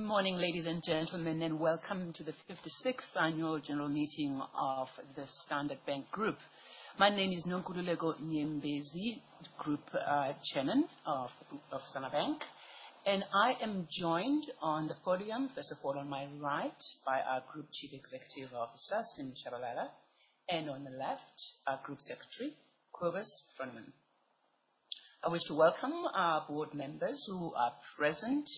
Good morning, ladies and gentlemen, welcome to the 56th Annual General Meeting of the Standard Bank Group. My name is Nonkululeko Nyembezi, Group Chairman of Standard Bank, and I am joined on the podium, first of all, on my right, by our Group Executive Officer, Sim Tshabalala, and on the left, our Group Secretary, Kobus Froneman. I wish to welcome our board members who are present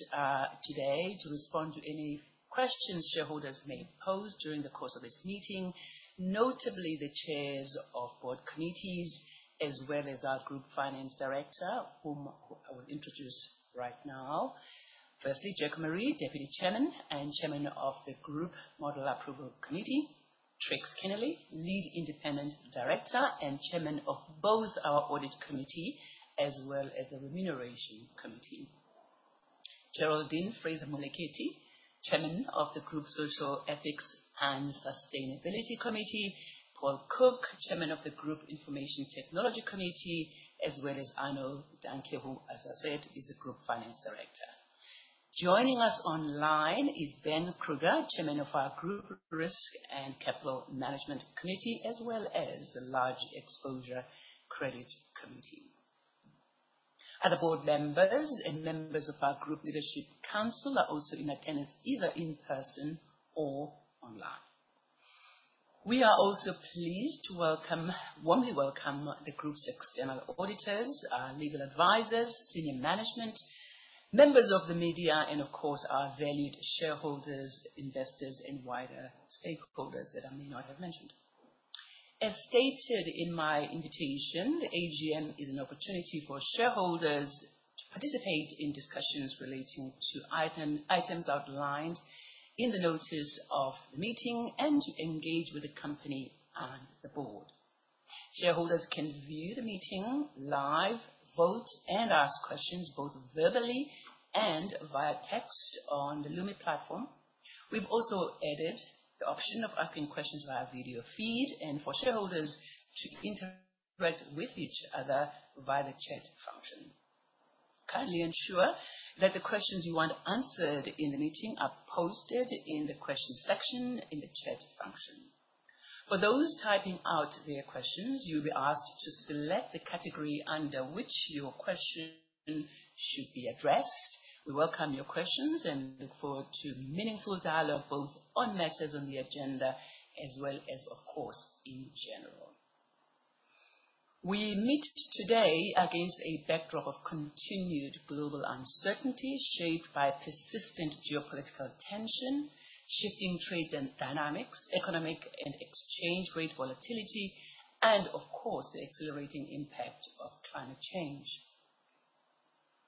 today to respond to any questions shareholders may pose during the course of this meeting, notably the Chairs of board committees, as well as our Group Finance Director, whom I will introduce right now. Firstly, Jacko Maree, Deputy Chairman and Chairman of the Group Model Approval Committee. Trix Kennealy, Lead Independent Director and Chairman of both our Audit Committee as well as the Remuneration Committee. Geraldine Fraser-Moleketi, Chairman of the Group Social, Ethics and Sustainability Committee. Paul Cook, Chairman of the Group Information Technology Committee, as well as Arno Daehnke, who, as I said, is the Group Finance Director. Joining us online is Ben Kruger, Chairman of our Group Risk and Capital Management Committee, as well as the Large Exposure Credit Committee. Other board members and members of our Group Leadership Council are also in attendance, either in person or online. We are also pleased to warmly welcome the Group's external auditors, our legal advisors, senior management, members of the media, and of course, our valued shareholders, investors and wider stakeholders that I may not have mentioned. As stated in my invitation, the AGM is an opportunity for shareholders to participate in discussions relating to items outlined in the notice of the meeting and to engage with the company and the board. Shareholders can view the meeting live, vote, and ask questions both verbally and via text on the Lumi platform. We have also added the option of asking questions via video feed and for shareholders to interact with each other via the chat function. Kindly ensure that the questions you want answered in the meeting are posted in the questions section in the chat function. For those typing out their questions, you will be asked to select the category under which your question should be addressed. We welcome your questions, look forward to meaningful dialogue, both on matters on the agenda as well as, of course, in general. We meet today against a backdrop of continued global uncertainty, shaped by persistent geopolitical tension, shifting trade dynamics, economic and exchange rate volatility, of course, the accelerating impact of climate change.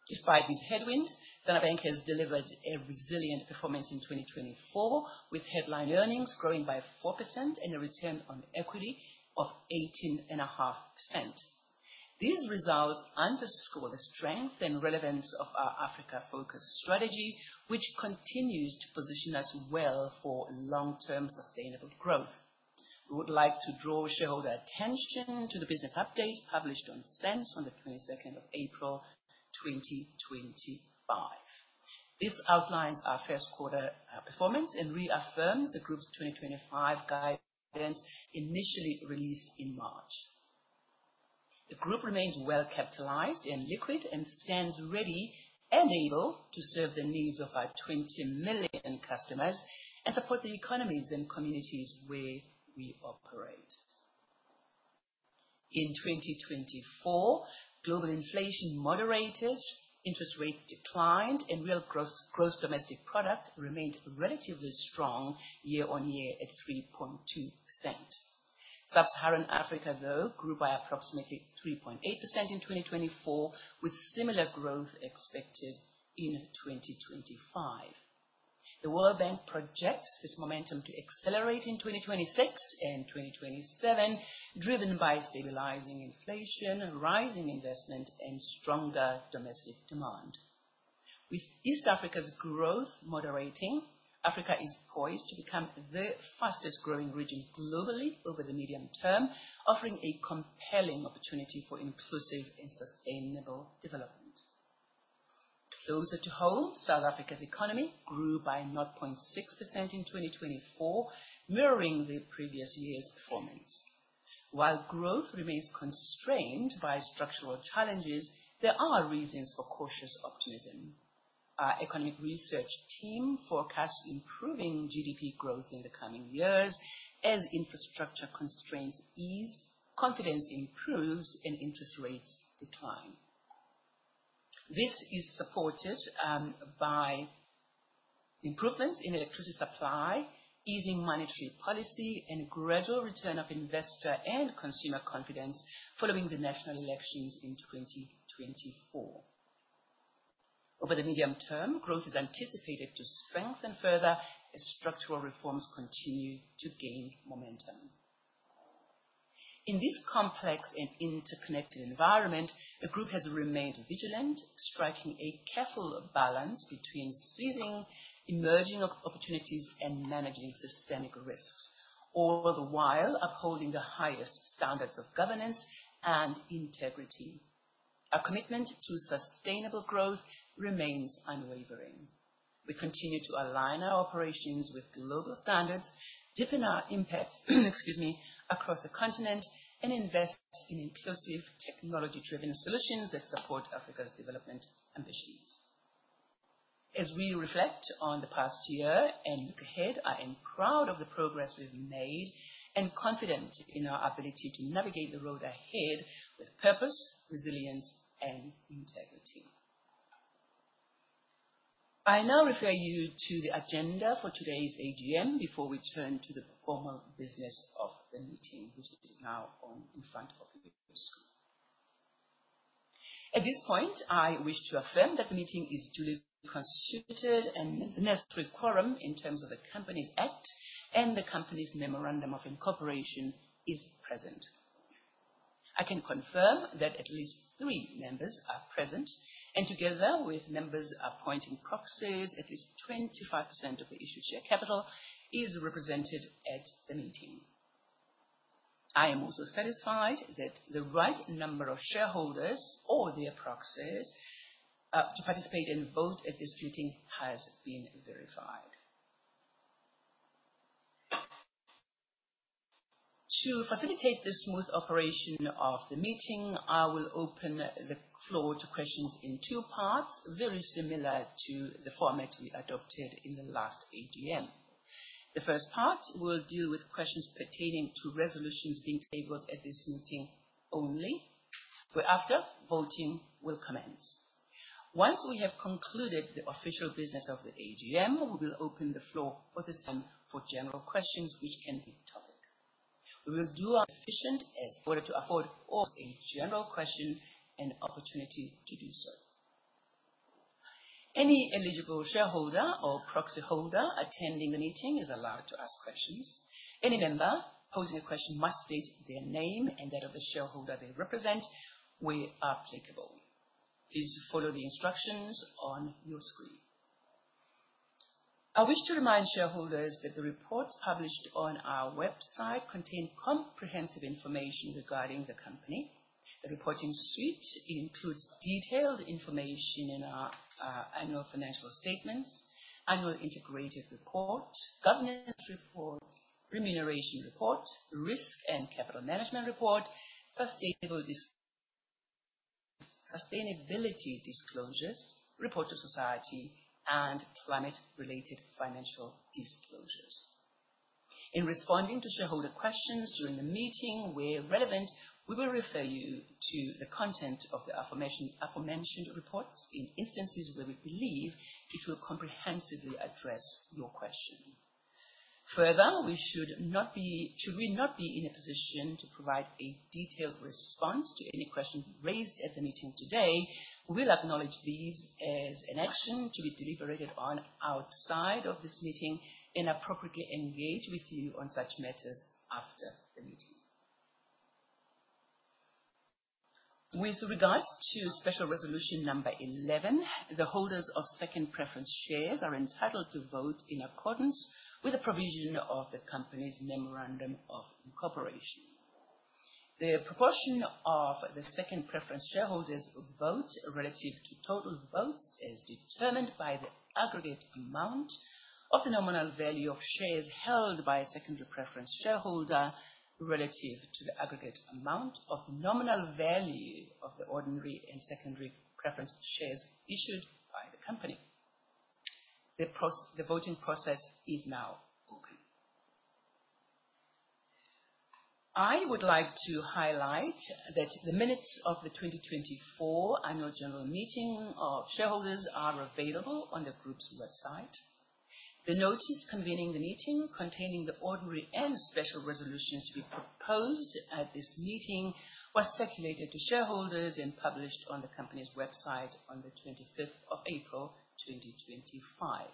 Despite these headwinds, Standard Bank has delivered a resilient performance in 2024, with headline earnings growing by 4% and a return on equity of 18.5%. These results underscore the strength and relevance of our Africa-focused strategy, which continues to position us well for long-term sustainable growth. We would like to draw shareholder attention to the business update published on SENS on the 22nd of April 2025. This outlines our first quarter performance and reaffirms the Group's 2025 guidance initially released in March. The Group remains well capitalized and liquid and stands ready and able to serve the needs of our 20 million customers and support the economies and communities where we operate. In 2024, global inflation moderated, interest rates declined, and real gross domestic product remained relatively strong year-on-year at 3.2%. Sub-Saharan Africa, though, grew by approximately 3.8% in 2024, with similar growth expected in 2025. The World Bank projects this momentum to accelerate in 2026 and 2027, driven by stabilizing inflation, rising investment, and stronger domestic demand. With East Africa's growth moderating, Africa is poised to become the fastest growing region globally over the medium term, offering a compelling opportunity for inclusive and sustainable development. Closer to home, South Africa's economy grew by 0.6% in 2024, mirroring the previous year's performance. While growth remains constrained by structural challenges, there are reasons for cautious optimism. Our economic research team forecasts improving GDP growth in the coming years as infrastructure constraints ease, confidence improves, and interest rates decline. This is supported by improvements in electricity supply, easing monetary policy, and gradual return of investor and consumer confidence following the national elections in 2024. Over the medium term, growth is anticipated to strengthen further as structural reforms continue to gain momentum. In this complex and interconnected environment, the group has remained vigilant, striking a careful balance between seizing emerging opportunities and managing systemic risks, all the while upholding the highest standards of governance and integrity. Our commitment to sustainable growth remains unwavering. We continue to align our operations with global standards, deepen our impact, excuse me, across the continent, and invest in inclusive technology-driven solutions that support Africa's development ambitions. As we reflect on the past year and look ahead, I am proud of the progress we've made and confident in our ability to navigate the road ahead with purpose, resilience, and integrity. I now refer you to the agenda for today's AGM before we turn to the formal business of the meeting, which is now in front of you on the screen. At this point, I wish to affirm that the meeting is duly constituted and the necessary quorum in terms of the Companies Act and the company's memorandum of incorporation is present. I can confirm that at least three members are present, and together with members appointing proxies, at least 25% of the issued share capital is represented at the meeting. I am also satisfied that the right number of shareholders or their proxies, to participate and vote at this meeting has been verified. To facilitate the smooth operation of the meeting, I will open the floor to questions in two parts, very similar to the format we adopted in the last AGM. The first part will deal with questions pertaining to resolutions being tabled at this meeting only, thereafter, voting will commence. Once we have concluded the official business of the AGM, we will open the floor for general questions which can be topical. We will do our efficient as in order to afford all a general question an opportunity to do so. Any eligible shareholder or proxyholder attending the meeting is allowed to ask questions. Any member posing a question must state their name and that of the shareholder they represent where applicable. Please follow the instructions on your screen. I wish to remind shareholders that the reports published on our website contain comprehensive information regarding the company. The reporting suite includes detailed information in our annual financial statements, annual integrated report, governance report, remuneration report, risk and capital management report, sustainability disclosures, report to society, and climate related financial disclosures. In responding to shareholder questions during the meeting, where relevant, we will refer you to the content of the aforementioned reports in instances where we believe it will comprehensively address your question. Should we not be in a position to provide a detailed response to any questions raised at the meeting today, we'll acknowledge these as an action to be deliberated on outside of this meeting and appropriately engage with you on such matters after the meeting. With regards to special resolution number 11, the holders of second preference shares are entitled to vote in accordance with the provision of the company's memorandum of incorporation. The proportion of the second preference shareholders vote relative to total votes is determined by the aggregate amount of the nominal value of shares held by a secondary preference shareholder relative to the aggregate amount of nominal value of the ordinary and secondary preference shares issued by the company. The voting process is now open. I would like to highlight that the minutes of the 2024 annual general meeting of shareholders are available on the group's website. The notice convening the meeting, containing the ordinary and special resolutions to be proposed at this meeting, was circulated to shareholders and published on the company's website on the 25th of April 2025.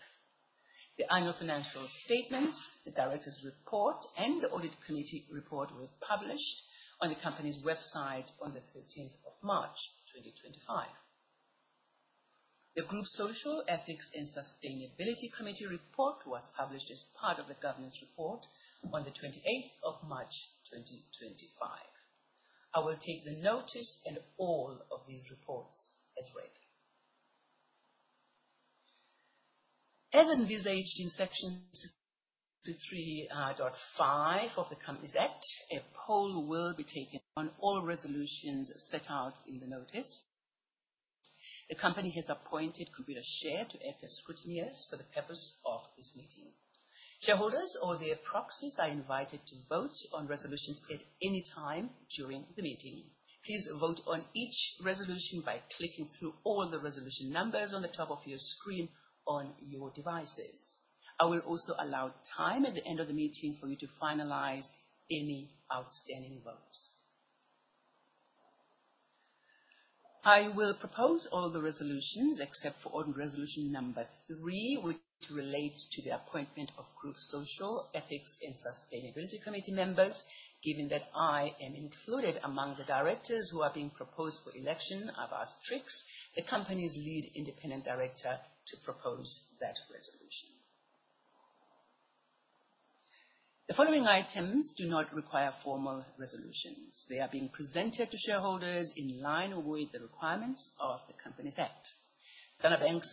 The annual financial statements, the directors' report, and the audit committee report were published on the company's website on the 13th of March 2025. The Group Social, Ethics and Sustainability Committee report was published as part of the governance report on the 28th of March 2025. I will take the notice and all of these reports as read. As envisaged in Section 23.5 of the Companies Act, a poll will be taken on all resolutions set out in the notice. The company has appointed Computershare to act as scrutineers for the purpose of this meeting. Shareholders or their proxies are invited to vote on resolutions at any time during the meeting. Please vote on each resolution by clicking through all the resolution numbers on the top of your screen on your devices. I will also allow time at the end of the meeting for you to finalize any outstanding votes. I will propose all the resolutions except for ordinary resolution number three, which relates to the appointment of Group Social, Ethics and Sustainability Committee members. Given that I am included among the directors who are being proposed for election, I've asked Trix, the company's Lead Independent Director, to propose that resolution. The following items do not require formal resolutions. They are being presented to shareholders in line with the requirements of the Companies Act. Standard Bank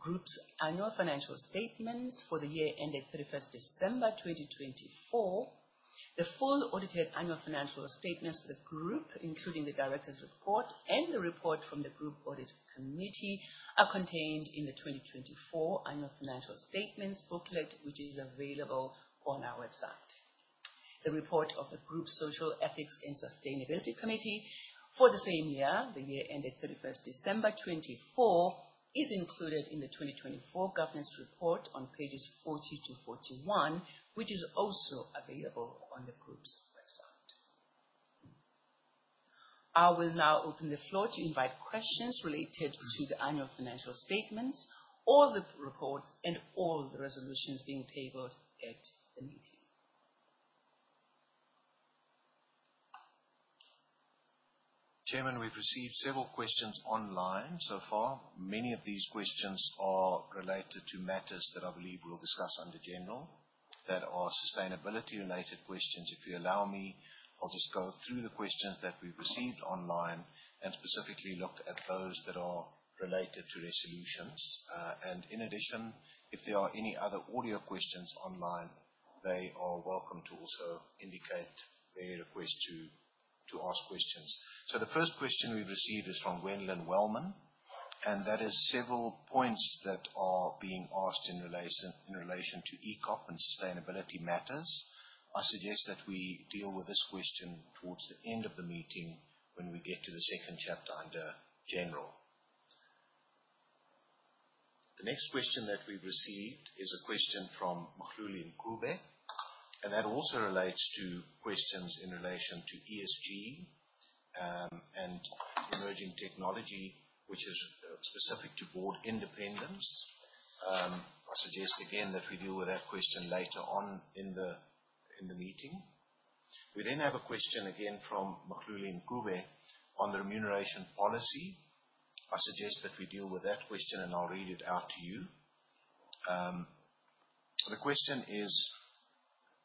Group's annual financial statements for the year ended 31st December 2024. The full audited annual financial statements of the group, including the directors' report and the report from the Group Audit Committee, are contained in the 2024 annual financial statements booklet, which is available on our website. The report of the Group Social, Ethics and Sustainability Committee for the same year, the year ended 31st December 2024, is included in the 2024 governance report on pages 40 to 41, which is also available on the group's website. I will now open the floor to invite questions related to the annual financial statements or the reports and all the resolutions being tabled at the meeting. Chairman, we've received several questions online so far. Many of these questions are related to matters that I believe we'll discuss under general that are sustainability related questions. If you allow me, I'll just go through the questions that we've received online and specifically look at those that are related to resolutions. In addition, if there are any other audio questions online, they are welcome to also indicate their request to ask questions. The first question we've received is from Gwendolyn Wellmann, and that is several points that are being asked in relation to EACOP and sustainability matters. I suggest that we deal with this question towards the end of the meeting when we get to the second chapter under general. The next question that we've received is a question from Mehluli Mcube, and that also relates to questions in relation to ESG, and emerging technology, which is specific to board independence. I suggest again that we deal with that question later on in the meeting. We then have a question again from Mehluli Mcube on the remuneration policy. I suggest that we deal with that question, and I'll read it out to you. The question is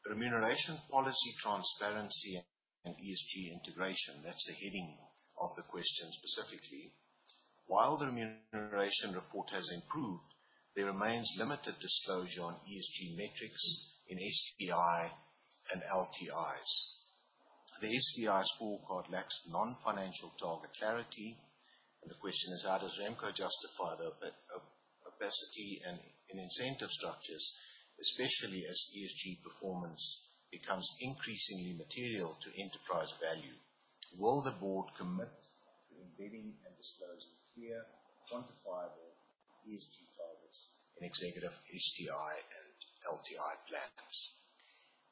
remuneration policy transparency and ESG integration. That's the heading of the question specifically. While the remuneration report has improved, there remains limited disclosure on ESG metrics in STI and LTIs. The STI scorecard lacks non-financial target clarity, and the question is how does Remco justify the opacity and incentive structures, especially as ESG performance becomes increasingly material to enterprise value? Will the board commit to embedding and disclosing clear, quantifiable ESG targets in executive HDI and LTI plans?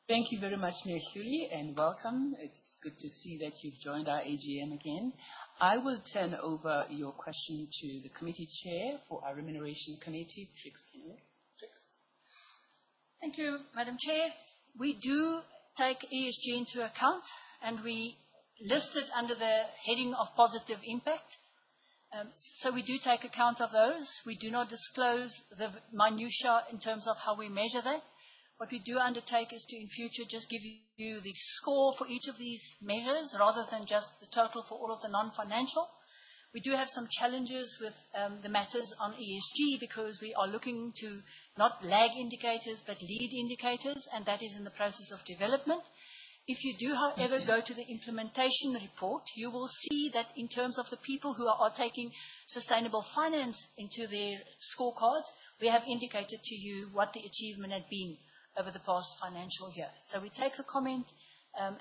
Thank you very much, Mehluli, and welcome. It's good to see that you've joined our AGM again. I will turn over your question to the committee chair for our Remuneration Committee, Trix. Trix. Thank you, Madam Chair. We do take ESG into account, we list it under the heading of positive impact. We do take account of those. We do not disclose the minutia in terms of how we measure that. What we do undertake is to, in future, just give you the score for each of these measures rather than just the total for all of the non-financial. We do have some challenges with the matters on ESG because we are looking to not lag indicators, but lead indicators, and that is in the process of development. If you do, however, go to the implementation report, you will see that in terms of the people who are taking sustainable finance into their scorecards, we have indicated to you what the achievement had been over the past financial year. We take the comment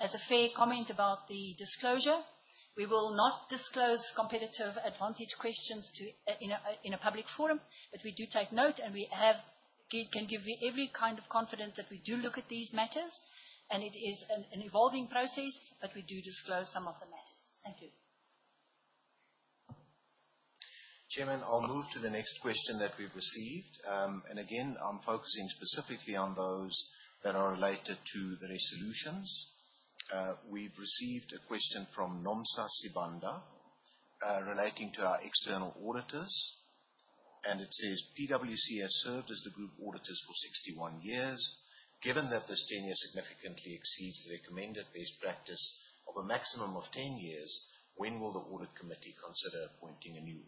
as a fair comment about the disclosure. We will not disclose competitive advantage questions in a public forum. We do take note, and we can give you every kind of confidence that we do look at these matters, and it is an evolving process, but we do disclose some of the matters. Thank you. Chairman, I'll move to the next question that we've received. Again, I'm focusing specifically on those that are related to the resolutions. We've received a question from Nomsa Sibanda relating to our external auditors, and it says, "PwC has served as the group auditors for 61 years. Given that this tenure significantly exceeds the recommended best practice of a maximum of 10 years, when will the Audit Committee consider appointing a new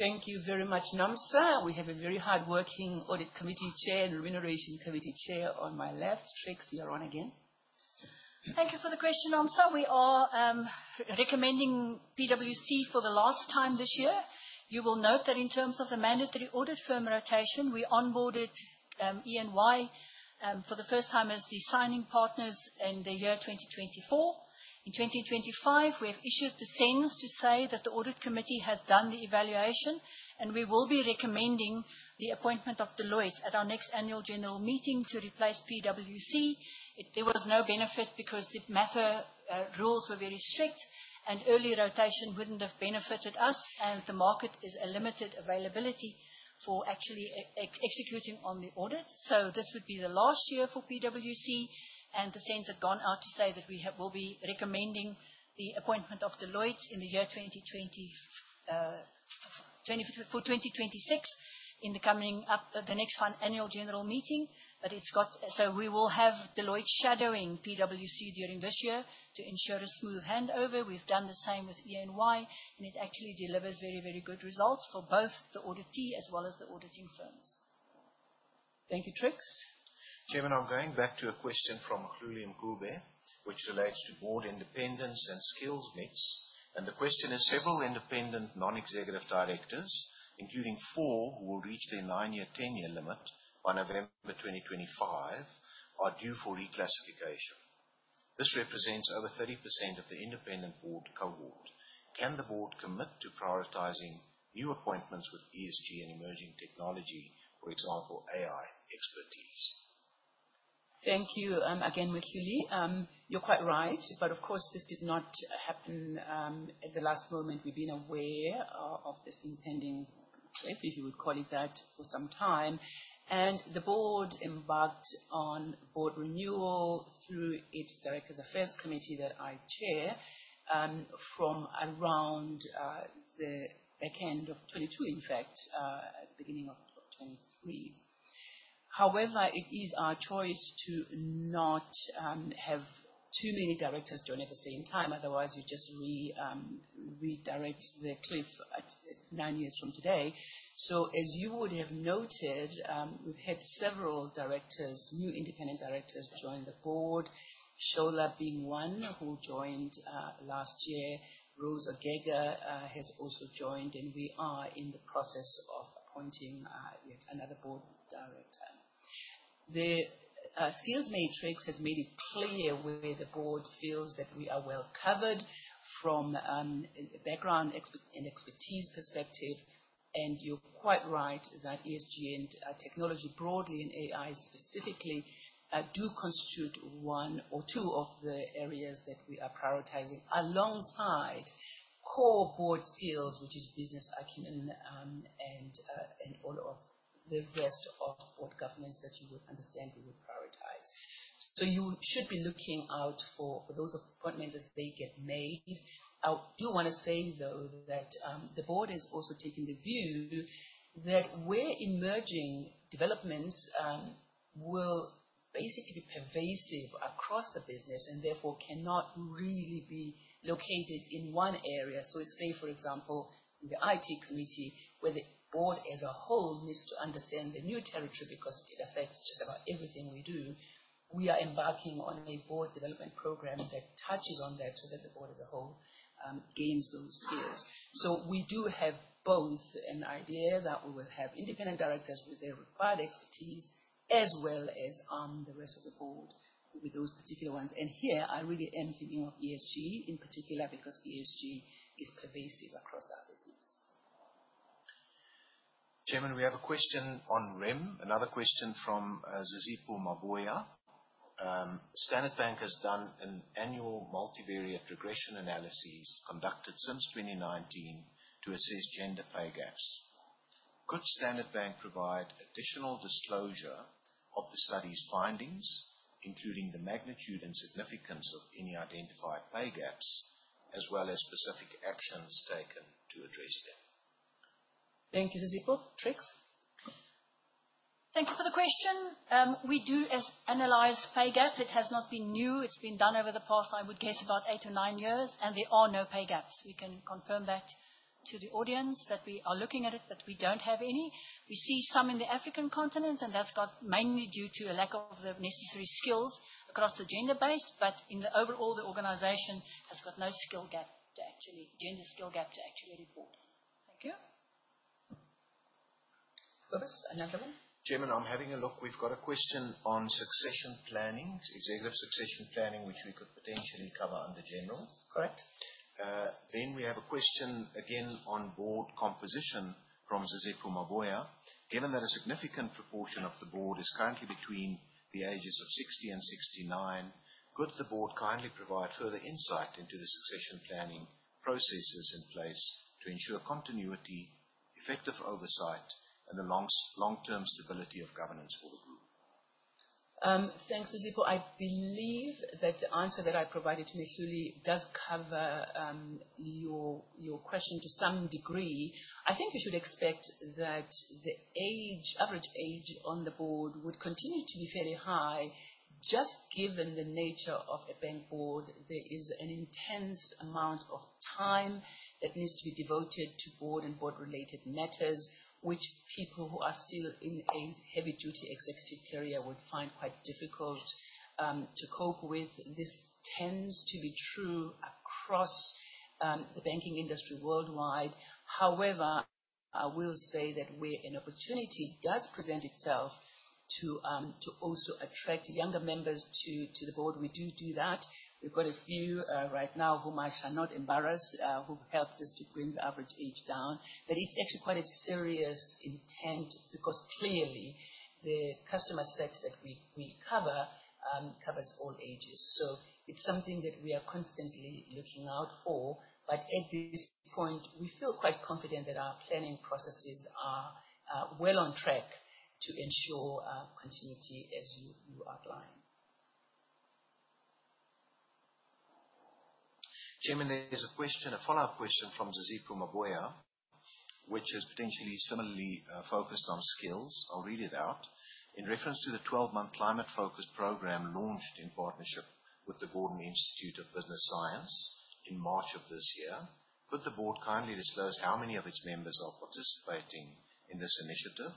audit firm? Thank you very much, Nomsa. We have a very hardworking audit committee chair and remuneration committee chair on my left. Trix, you're on again. Thank you for the question, Nomsa. We are recommending PwC for the last time this year. You will note that in terms of the mandatory audit firm rotation, we onboarded EY for the first time as the signing partners in the year 2024. In 2025, we have issued the SENS to say that the audit committee has done the evaluation, and we will be recommending the appointment of Deloitte at our next annual general meeting to replace PwC. There was no benefit because the rules were very strict and early rotation wouldn't have benefited us, and the market is a limited availability for actually executing on the audit. This would be the last year for PwC, and the SENS have gone out to say that we will be recommending the appointment of Deloitte in the year 2025 for 2026 in the coming up, the next annual general meeting. We will have Deloitte shadowing PwC during this year to ensure a smooth handover. We've done the same with EY, and it actually delivers very good results for both the auditee as well as the auditing firms. Thank you, Trix. Chairman, I'm going back to a question from Hluuli Ngubane, which relates to board independence and skills mix. The question is, several independent non-executive directors, including four who will reach their nine-year tenure limit by November 2025, are due for reclassification. This represents over 30% of the independent board cohort. Can the board commit to prioritizing new appointments with ESG and emerging technology, for example, AI expertise? Thank you again, Hlueli. You're quite right, of course, this did not happen at the last moment. We've been aware of this impending cliff, if you would call it that, for some time. The board embarked on board renewal through its directors affairs committee that I chair, from around the back end of 2022, in fact, beginning of 2023. However, it is our choice to not have too many directors join at the same time. Otherwise, you just redirect the cliff at nine years from today. As you would have noted, we've had several new independent directors join the board, Sola being one who joined last year. Rose Ogega has also joined, and we are in the process of appointing yet another board director. The skills matrix has made it clear where the board feels that we are well covered from a background and expertise perspective. You're quite right that ESG and technology broadly, and AI specifically, do constitute one or two of the areas that we are prioritizing alongside core board skills, which is business acumen, and all of the rest of board governance that you would understand we would prioritize. You should be looking out for those appointments as they get made. I do want to say, though, that the board has also taken the view that where emerging developments will basically be pervasive across the business and therefore cannot really be located in one area. Let's say, for example, the IT committee, where the board as a whole needs to understand the new territory because it affects just about everything we do. We are embarking on a board development program that touches on that so that the board as a whole gains those skills. We do have both an idea that we will have independent directors with their required expertise as well as the rest of the board with those particular ones. Here I really am thinking of ESG in particular because ESG is pervasive across our business. Chairman, we have a question on REM. Another question from Zizipho Mabuya. Standard Bank has done an annual multivariate regression analysis conducted since 2019 to assess gender pay gaps. Could Standard Bank provide additional disclosure of the study's findings, including the magnitude and significance of any identified pay gaps, as well as specific actions taken to address them? Thank you, Sizipho. Trix? Thank you for the question. We do analyze pay gap. It has not been new. It's been done over the past, I would guess about eight or nine years. There are no pay gaps. We can confirm that to the audience that we are looking at it. We don't have any. We see some in the African continent, that's got mainly due to a lack of the necessary skills across the gender base. In the overall, the organization has got no gender skill gap to actually report. Thank you. Kobus, another one. Chairman, I'm having a look. We've got a question on executive succession planning, which we could potentially cover under general. Correct. We have a question again on board composition from Zizipho Mabuya. Given that a significant proportion of the board is currently between the ages of 60 and 69, could the board kindly provide further insight into the succession planning processes in place to ensure continuity, effective oversight, and the long-term stability of governance for the group? Thanks, Sizipho. I believe that the answer that I provided to Hluuli does cover your question to some degree. I think you should expect that the average age on the board would continue to be fairly high. Just given the nature of a bank board, there is an intense amount of time that needs to be devoted to board and board-related matters, which people who are still in a heavy duty executive career would find quite difficult to cope with. This tends to be true across the banking industry worldwide. However, I will say that where an opportunity does present itself to also attract younger members to the board, we do that. We've got a few right now whom I shall not embarrass who've helped us to bring the average age down. That is actually quite a serious intent because clearly the customer set that we cover, covers all ages. It's something that we are constantly looking out for. At this point, we feel quite confident that our planning processes are well on track to ensure continuity as you outline. Chairman, there's a follow-up question from Zizipho Mabuya, which is potentially similarly focused on skills. I'll read it out. "In reference to the 12-month climate focus program launched in partnership with the Gordon Institute of Business Science in March of this year, could the board kindly disclose how many of its members are participating in this initiative?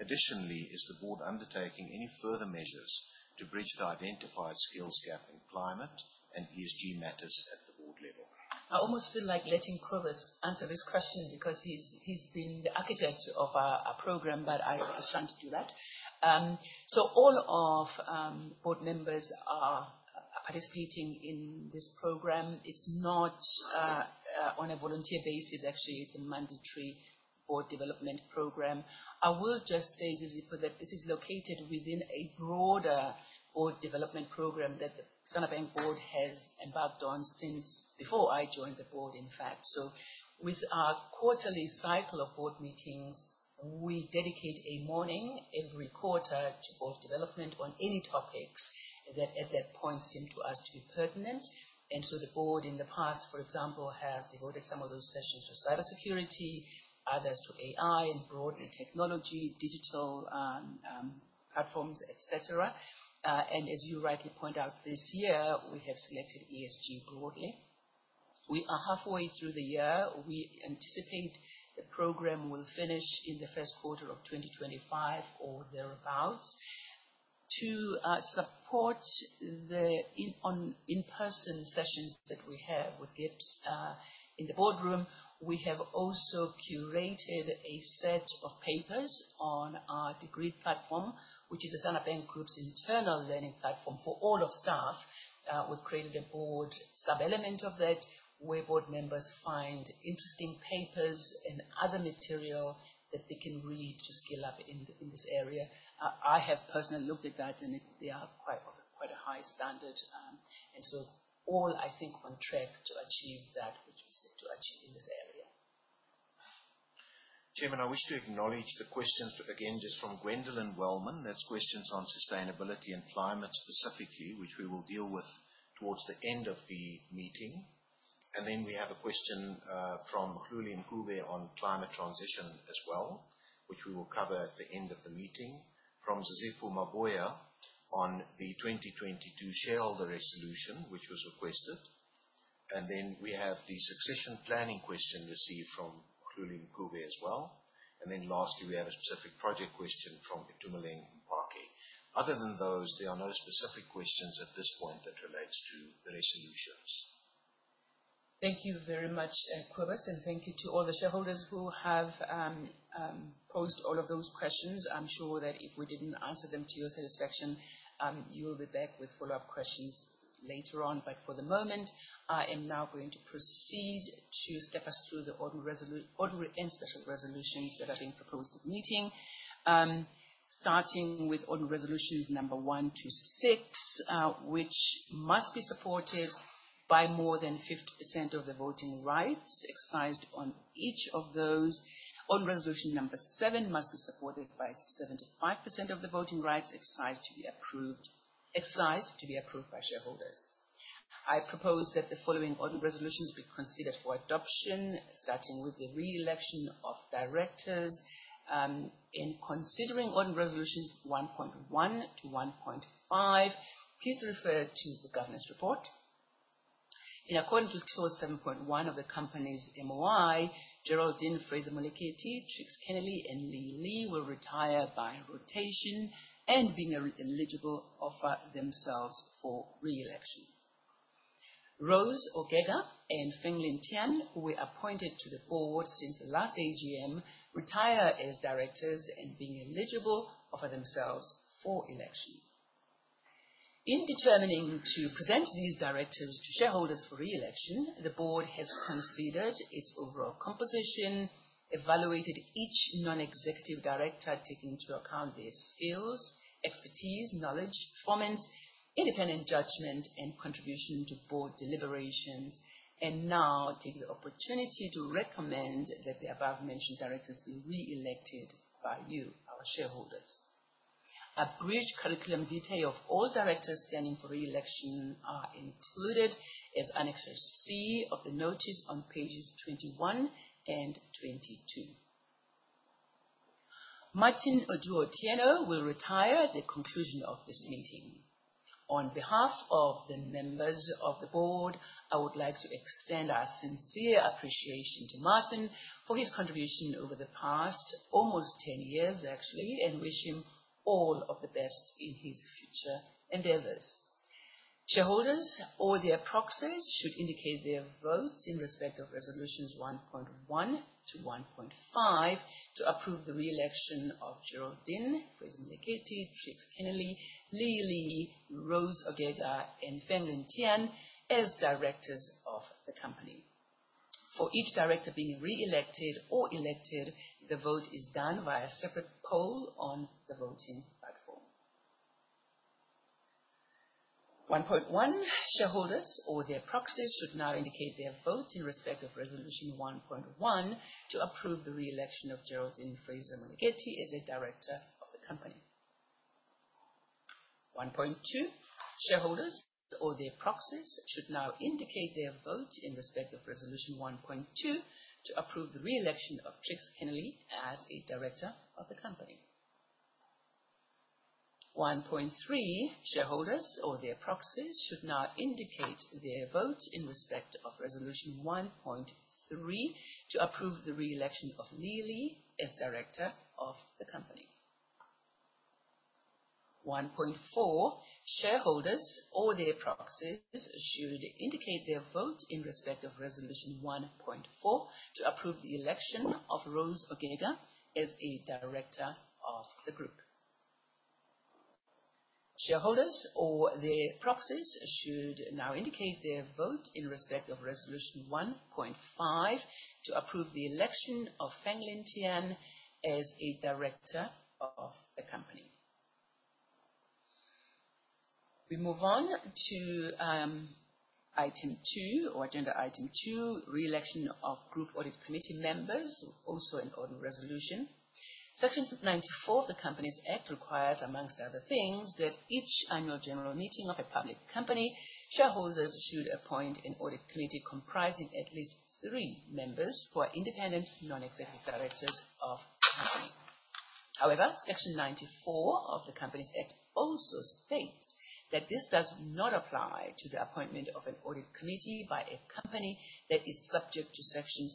Additionally, is the board undertaking any further measures to bridge the identified skills gap in climate and ESG matters at the board level? I almost feel like letting Kobus answer this question because he has been the architect of our program, but I understand to do that. All of board members are participating in this program. It is not on a volunteer basis. It is a mandatory board development program. I will just say, Sizipho, that this is located within a broader board development program that the Standard Bank board has embarked on since before I joined the board, in fact. So with our quarterly cycle of board meetings, we dedicate a morning every quarter to board development on any topics that at that point seem to us to be pertinent. The board in the past, for example, has devoted some of those sessions to cybersecurity, others to AI and broader technology, digital platforms, et cetera. As you rightly point out, this year, we have selected ESG broadly. We are halfway through the year. We anticipate the program will finish in the first quarter of 2025 or thereabout. To support the in-person sessions that we have with GIBS in the boardroom, we have also curated a set of papers on our Degreed platform, which is the Standard Bank Group's internal learning platform for all of staff. We have created a board sub-element of that, where board members find interesting papers and other material that they can read to skill up in this area. I have personally looked at that. They are of quite a high standard. All, I think, on track to achieve that which we said to achieve in this area. Chairman, I wish to acknowledge the questions again just from Gwendolyn Wellmann. That is questions on sustainability and climate specifically, which we will deal with towards the end of the meeting. Then we have a question from Khulun Qube on climate transition as well, which we will cover at the end of the meeting. From Zizipho Mabuya on the 2022 shareholder resolution which was requested. Then we have the succession planning question received from Khulun Qube as well. Lastly, we have a specific project question from Itumeleng Mphake. Other than those, there are no specific questions at this point that relates to the resolutions. Thank you very much, Kobus, and thank you to all the shareholders who have posed all of those questions. I am sure that if we did not answer them to your satisfaction, you will be back with follow-up questions later on. For the moment, I am now going to proceed to step us through the ordinary and special resolutions that are being proposed at the meeting. Starting with ordinary resolutions number one to six, which must be supported by more than 50% of the voting rights exercised on each of those. Ordinary resolution number seven must be supported by 75% of the voting rights exercised to be approved by shareholders. I propose that the following ordinary resolutions be considered for adoption, starting with the re-election of directors. In considering ordinary resolutions 1.1 to 1.5, please refer to the governance report. In accordance with clause 7.1 of the company's MOI, Geraldine Fraser-Moleketi, Trix Kennealy, and Li Li will retire by rotation and being eligible, offer themselves for re-election. Rose Ogega and Fenglin Tian, who were appointed to the board since the last AGM, retire as directors and being eligible, offer themselves for election. In determining to present these directors to shareholders for re-election, the board has considered its overall composition, evaluated each non-executive director taking into account their skills, expertise, knowledge, performance, independent judgment, and contribution to board deliberations, and now take the opportunity to recommend that the above-mentioned directors be re-elected by you, our shareholders. A brief curriculum detail of all directors standing for re-election are included as Annex C of the notice on pages 21 and 22. Martin Otieno will retire at the conclusion of this meeting. On behalf of the members of the board, I would like to extend our sincere appreciation to Martin for his contribution over the past almost 10 years, actually, and wish him all of the best in his future endeavors. Shareholders or their proxies should indicate their votes in respect of resolutions 1.1 to 1.5 to approve the re-election of Geraldine Fraser-Moleketi, Trix Kennealy, Li Li, Rose Ogega, and Fenglin Tian as directors of the company. For each director being re-elected or elected, the vote is done via separate poll on the voting platform. 1.1, shareholders or their proxies should now indicate their vote in respect of Resolution 1.1 to approve the re-election of Geraldine Fraser-Moleketi as a director of the company. 1.2, shareholders or their proxies should now indicate their vote in respect of Resolution 1.2 to approve the re-election of Trix Kennealy as a director of the company. 1.3, shareholders or their proxies should now indicate their vote in respect of Resolution 1.3 to approve the re-election of Li Li as director of the company. 1.4, shareholders or their proxies should indicate their vote in respect of Resolution 1.4 to approve the election of Rose Ogega as a director of the group. Shareholders or their proxies should now indicate their vote in respect of Resolution 1.5 to approve the election of Fenglin Tian as a director of the company. We move on to item two or agenda item two, re-election of Group Audit Committee members, also an ordinary resolution. Section 94 of the Companies Act requires, amongst other things, that each Annual General Meeting of a public company, shareholders should appoint an audit committee comprising at least three members who are independent, non-executive directors of the company. Section 94 of the Companies Act also states that this does not apply to the appointment of an audit committee by a company that is subject to Section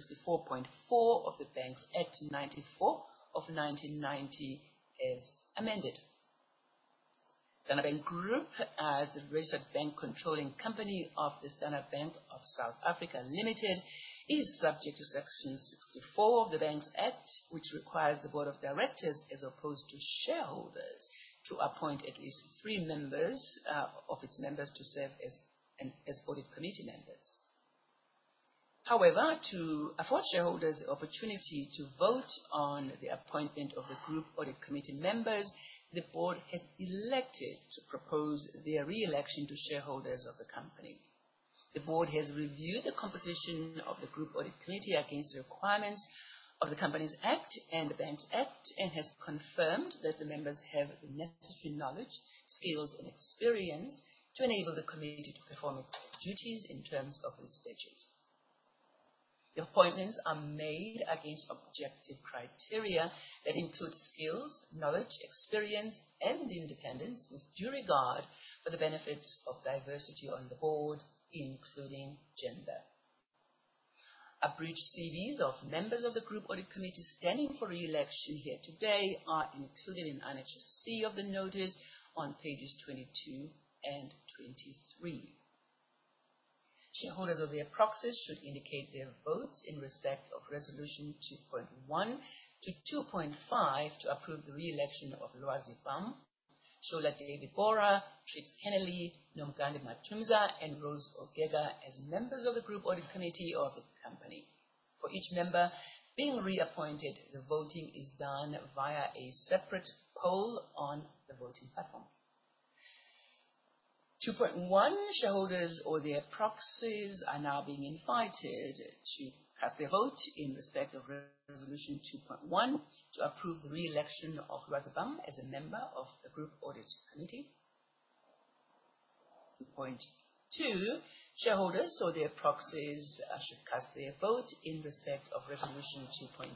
64.4 of the Banks Act 94 of 1990 as amended. Standard Bank Group as a registered bank controlling company of The Standard Bank of South Africa Limited is subject to Section 64 of the Banks Act, which requires the board of directors, as opposed to shareholders, to appoint at least three members of its members to serve as audit committee members. To afford shareholders the opportunity to vote on the appointment of the Group Audit Committee members, the board has elected to propose their re-election to shareholders of the company. The board has reviewed the composition of the group audit committee against the requirements of the Companies Act and the Banks Act, and has confirmed that the members have the necessary knowledge, skills, and experience to enable the committee to perform its duties in terms of the statutes. The appointments are made against objective criteria that include skills, knowledge, experience, and independence, with due regard for the benefits of diversity on the board, including gender. Abridged CVs of members of the group audit committee standing for re-election here today are included in Annexure C of the notice on pages 22 and 23. Shareholders or their proxies should indicate their votes in respect of Resolution 2.1 to 2.5 to approve the re-election of Lwazi Bam, Sola David-Borha, Trix Kennealy, Nomgando Matyumza, and Rose Ogega as members of the group audit committee of the company. For each member being reappointed, the voting is done via a separate poll on the voting platform. 2.1, shareholders or their proxies are now being invited to cast their vote in respect of Resolution 2.1 to approve the re-election of Lwazi Bam as a member of the group audit committee. 2.2, shareholders or their proxies should cast their vote in respect of Resolution 2.2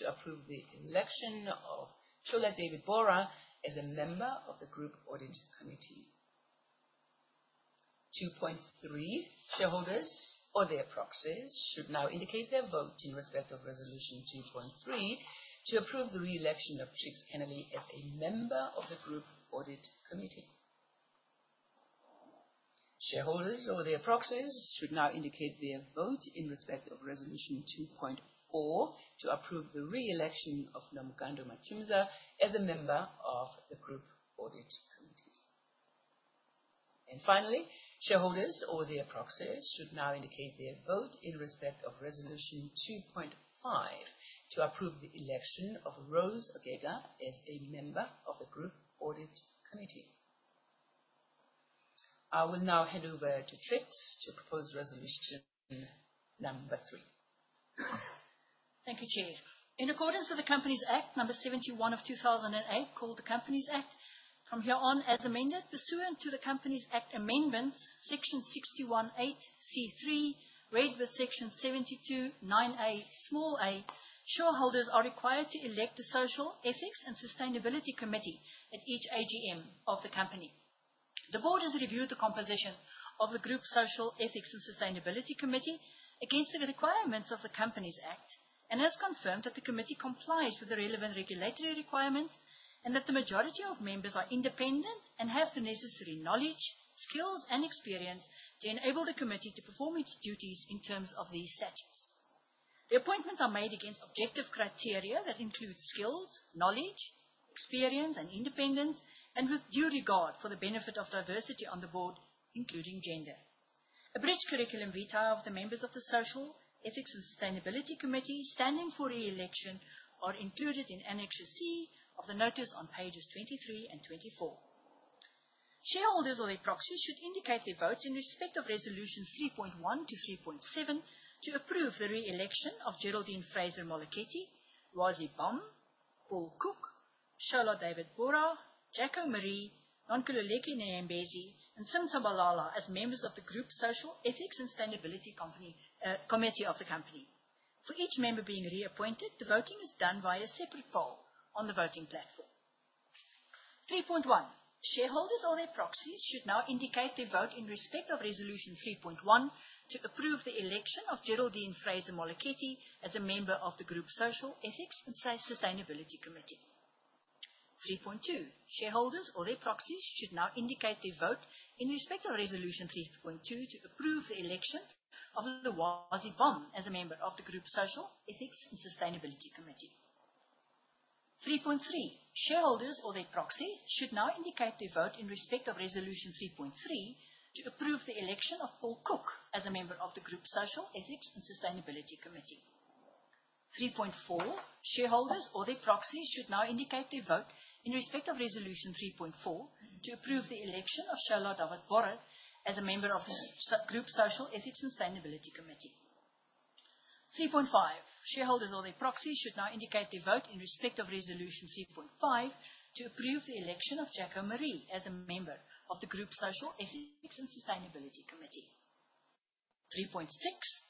to approve the election of Sola David-Borha as a member of the group audit committee. 2.3, shareholders or their proxies should now indicate their vote in respect of Resolution 2.3 to approve the re-election of Trix Kennealy as a member of the group audit committee. Shareholders or their proxies should now indicate their vote in respect of Resolution 2.4 to approve the re-election of Nomgando Matyumza as a member of the group audit committee. Finally, shareholders or their proxies should now indicate their vote in respect of Resolution 2.5 to approve the election of Rose Ogega as a member of the group audit committee. I will now hand over to Trix to propose resolution number three. Thank you, Chair. In accordance with the Companies Act 71 of 2008, called the Companies Act, from here on as amended pursuant to the Companies Act Amendments, Section 618C3, read with Section 729A small A, shareholders are required to elect a Social, Ethics and Sustainability Committee at each AGM of the company. The board has reviewed the composition of the Group Social, Ethics and Sustainability Committee against the requirements of the Companies Act and has confirmed that the committee complies with the relevant regulatory requirements and that the majority of members are independent and have the necessary knowledge, skills, and experience to enable the committee to perform its duties in terms of these statutes. The appointments are made against objective criteria that include skills, knowledge, experience, and independence, and with due regard for the benefit of diversity on the board, including gender. Abridged curriculum vitae of the members of the Group Social, Ethics, and Sustainability Committee standing for re-election are included in Annexure C of the notice on pages 23 and 24. Shareholders or their proxies should indicate their votes in respect of resolutions 3.1 to 3.7 to approve the re-election of Geraldine Fraser-Moleketi, Lwazi Bam, Paul Cook, Sola David-Borha, Jacko Maree, Nonkululeko Nyembezi, and Sim Tshabalala as members of the Group Social, Ethics, and Sustainability Committee of the company. For each member being reappointed, the voting is done via separate poll on the voting platform. 3.1. Shareholders or their proxies should now indicate their vote in respect of resolution 3.1 to approve the election of Geraldine Fraser-Moleketi as a member of the Group Social, Ethics, and Sustainability Committee. 3.2. Shareholders or their proxies should now indicate their vote in respect of resolution 3.2 to approve the election of Lwazi Bam as a member of the Group Social, Ethics, and Sustainability Committee. 3.3. Shareholders or their proxy should now indicate their vote in respect of resolution 3.3 to approve the election of Paul Cook as a member of the Group Social, Ethics, and Sustainability Committee. 3.4. Shareholders or their proxies should now indicate their vote in respect of resolution 3.4 to approve the election of Sola David-Borha as a member of the Group Social, Ethics, and Sustainability Committee. 3.5.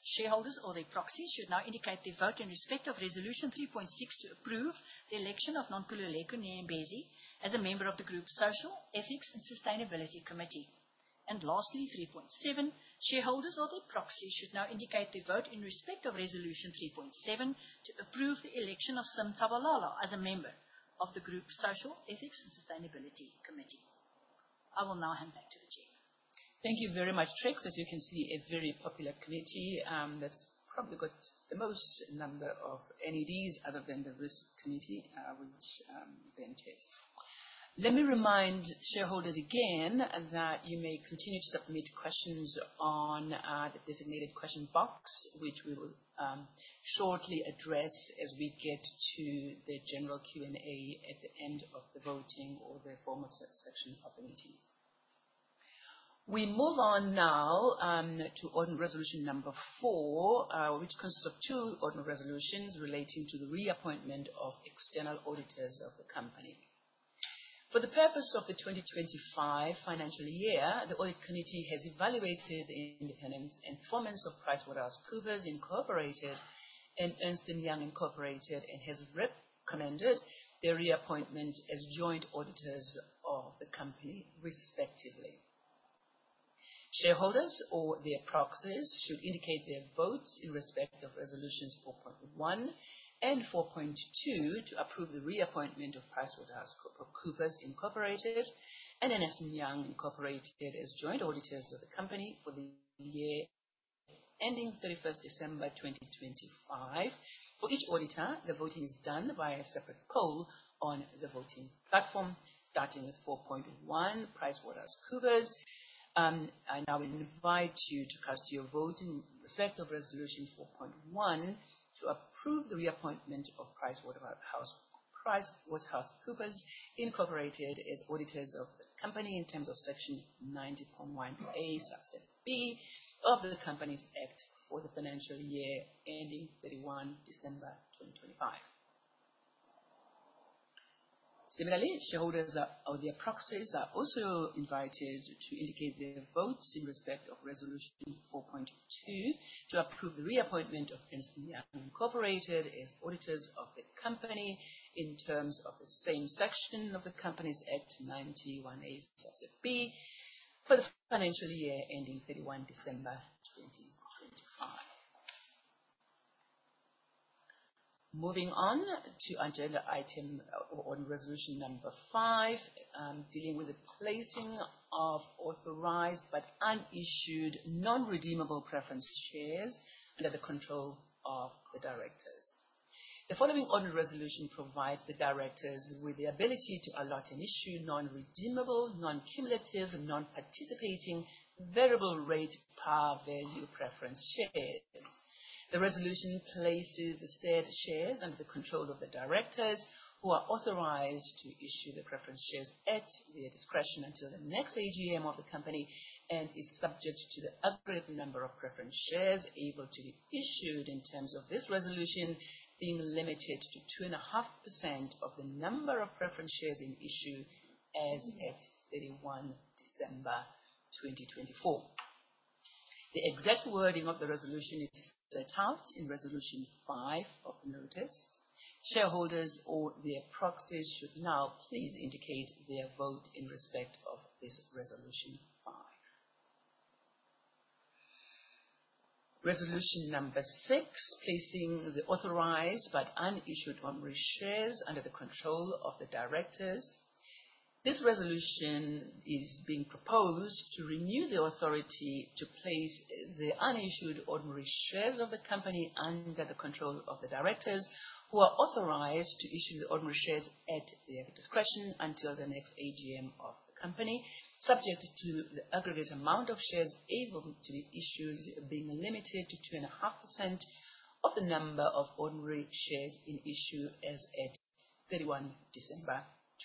Shareholders or their proxies should now indicate their vote in respect of resolution 3.5 to approve the election of Jacko Maree as a member of the Group Social, Ethics, and Sustainability Committee. 3.6. Shareholders or their proxies should now indicate their vote in respect of resolution 3.6 to approve the election of Nonkululeko Nyembezi as a member of the Group Social, Ethics, and Sustainability Committee. Lastly, 3.7. Shareholders or their proxies should now indicate their vote in respect of resolution 3.7 to approve the election of Sim Tshabalala as a member of the Group Social, Ethics, and Sustainability Committee. I will now hand back to the chair. Thank you very much, Trix. As you can see, a very popular committee that's probably got the most number of NEDs other than the Risk Committee. Let me remind shareholders again that you may continue to submit questions on the designated question box, which we will shortly address as we get to the general Q&A at the end of the voting or the formal section of the meeting. We move on now to ordinary resolution number 4, which consists of two ordinary resolutions relating to the reappointment of external auditors of the company. For the purpose of the 2025 financial year, the audit committee has evaluated the independence and performance of PricewaterhouseCoopers Incorporated and Ernst & Young Incorporated and has recommended their reappointment as joint auditors of the company, respectively. Shareholders or their proxies should indicate their votes in respect of resolutions 4.1 and 4.2 to approve the reappointment of PricewaterhouseCoopers Incorporated and Ernst & Young Incorporated as joint auditors of the company for the year ending 31st December 2025. For each auditor, the voting is done via a separate poll on the voting platform, starting with 4.1, PricewaterhouseCoopers. I now invite you to cast your vote in respect of resolution 4.1 to approve the reappointment of PricewaterhouseCoopers Incorporated as auditors of the company in terms of Section 90.1A, subsection B of the Companies Act for the financial year ending 31 December 2025. Similarly, shareholders or their proxies are also invited to indicate their votes in respect of resolution 4.2 to approve the reappointment of Ernst & Young Incorporated as auditors of the company in terms of the same section of the Companies Act 90.1A, subsection B, for the financial year ending 31 December 2025. Moving on to agenda item or resolution number five, dealing with the placing of authorized but unissued non-redeemable preference shares under the control of the directors. The following ordinary resolution provides the directors with the ability to allot and issue non-redeemable, non-cumulative, non-participating variable rate par value preference shares. The resolution places the said shares under the control of the directors who are authorized to issue the preference shares at their discretion until the next AGM of the company and is subject to the aggregate number of preference shares able to be issued in terms of this resolution, being limited to 2.5% of the number of preference shares in issue as at 31 December 2024. The exact wording of the resolution is set out in resolution five of the notice. Shareholders or their proxies should now please indicate their vote in respect of this resolution five. Resolution number six, placing the authorized but unissued ordinary shares under the control of the directors. This resolution is being proposed to renew the authority to place the unissued ordinary shares of the company under the control of the directors who are authorized to issue the ordinary shares at their discretion until the next AGM of the company, subject to the aggregate amount of shares able to be issued being limited to 2.5% of the number of ordinary shares in issue as at 31 December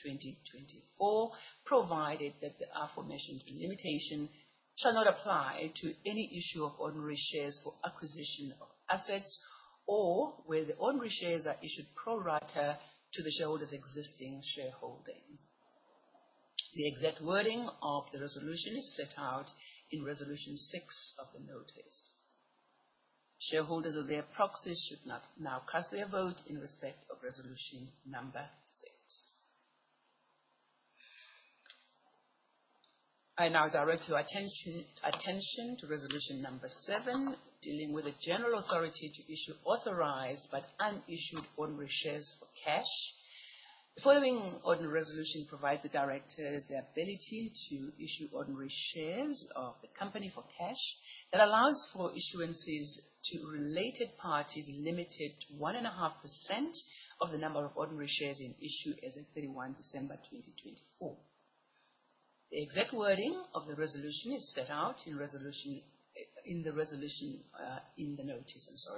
2024, provided that the aforementioned limitation shall not apply to any issue of ordinary shares for acquisition of assets or where the ordinary shares are issued pro rata to the shareholder's existing shareholding. The exact wording of the resolution is set out in resolution six of the notice. Shareholders or their proxies should now cast their vote in respect of resolution number six. I now direct your attention to resolution number seven, dealing with the general authority to issue authorized but unissued ordinary shares for cash. The following ordinary resolution provides the directors the ability to issue ordinary shares of the company for cash. It allows for issuances to related parties limited to 1.5% of the number of ordinary shares in issue as at 31 December 2024. The exact wording of the resolution is set out in the notice.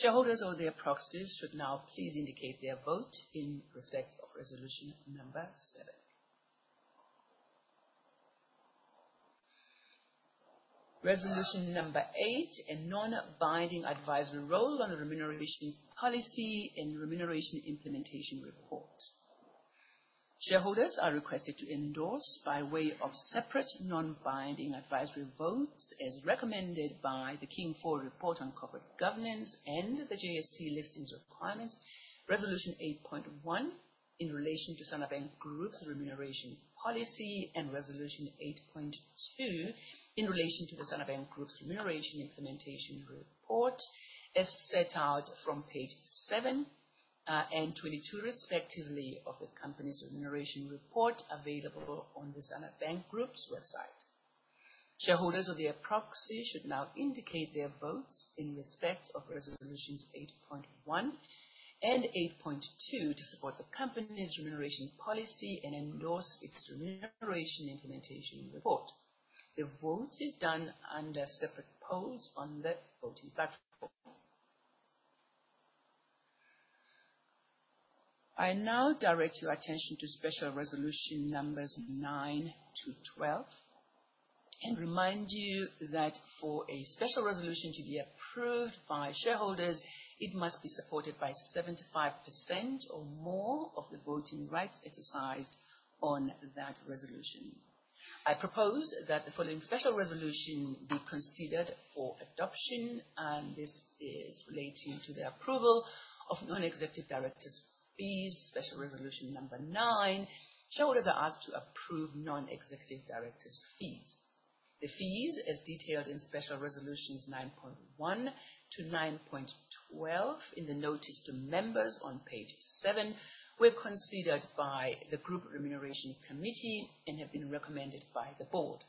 Shareholders or their proxies should now please indicate their vote in respect of resolution number seven. Resolution number eight, a non-binding advisory role on the remuneration policy and remuneration implementation report. Shareholders are requested to endorse by way of separate non-binding advisory votes as recommended by the King IV Report on Corporate Governance and the JSE listings requirements. Resolution 8.1 in relation to Standard Bank Group's remuneration policy and resolution 8.2 in relation to the Standard Bank Group's remuneration implementation report is set out from page seven and 22 respectively of the company's remuneration report available on the Standard Bank Group's website. Shareholders or their proxies should now indicate their votes in respect of resolutions 8.1 and 8.2 to support the company's remuneration policy and endorse its remuneration implementation report. The vote is done under separate polls on the voting platform. I now direct your attention to special resolution numbers 9-12 and remind you that for a special resolution to be approved by shareholders, it must be supported by 75% or more of the voting rights exercised on that resolution. I propose that the following special resolution be considered for adoption, and this is relating to the approval of non-executive directors' fees, special resolution number nine. Shareholders are asked to approve non-executive directors' fees. The fees, as detailed in special resolutions 9.1-9.12 in the notice to members on page seven, were considered by the Group Remuneration Committee and have been recommended by the board.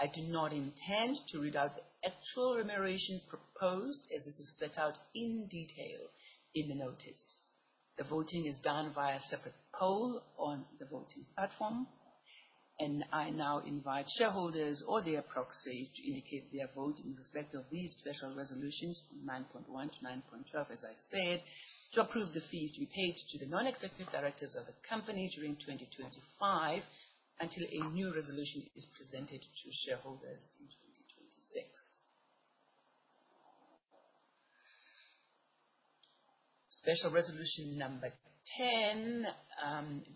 I do not intend to read out the actual remuneration proposed, as this is set out in detail in the notice. The voting is done via a separate poll on the voting platform, and I now invite shareholders or their proxies to indicate their vote in respect of these special resolutions from 9.1-9.12, as I said, to approve the fees to be paid to the non-executive directors of the company during 2025 until a new resolution is presented to shareholders in 2026. Special resolution number 10,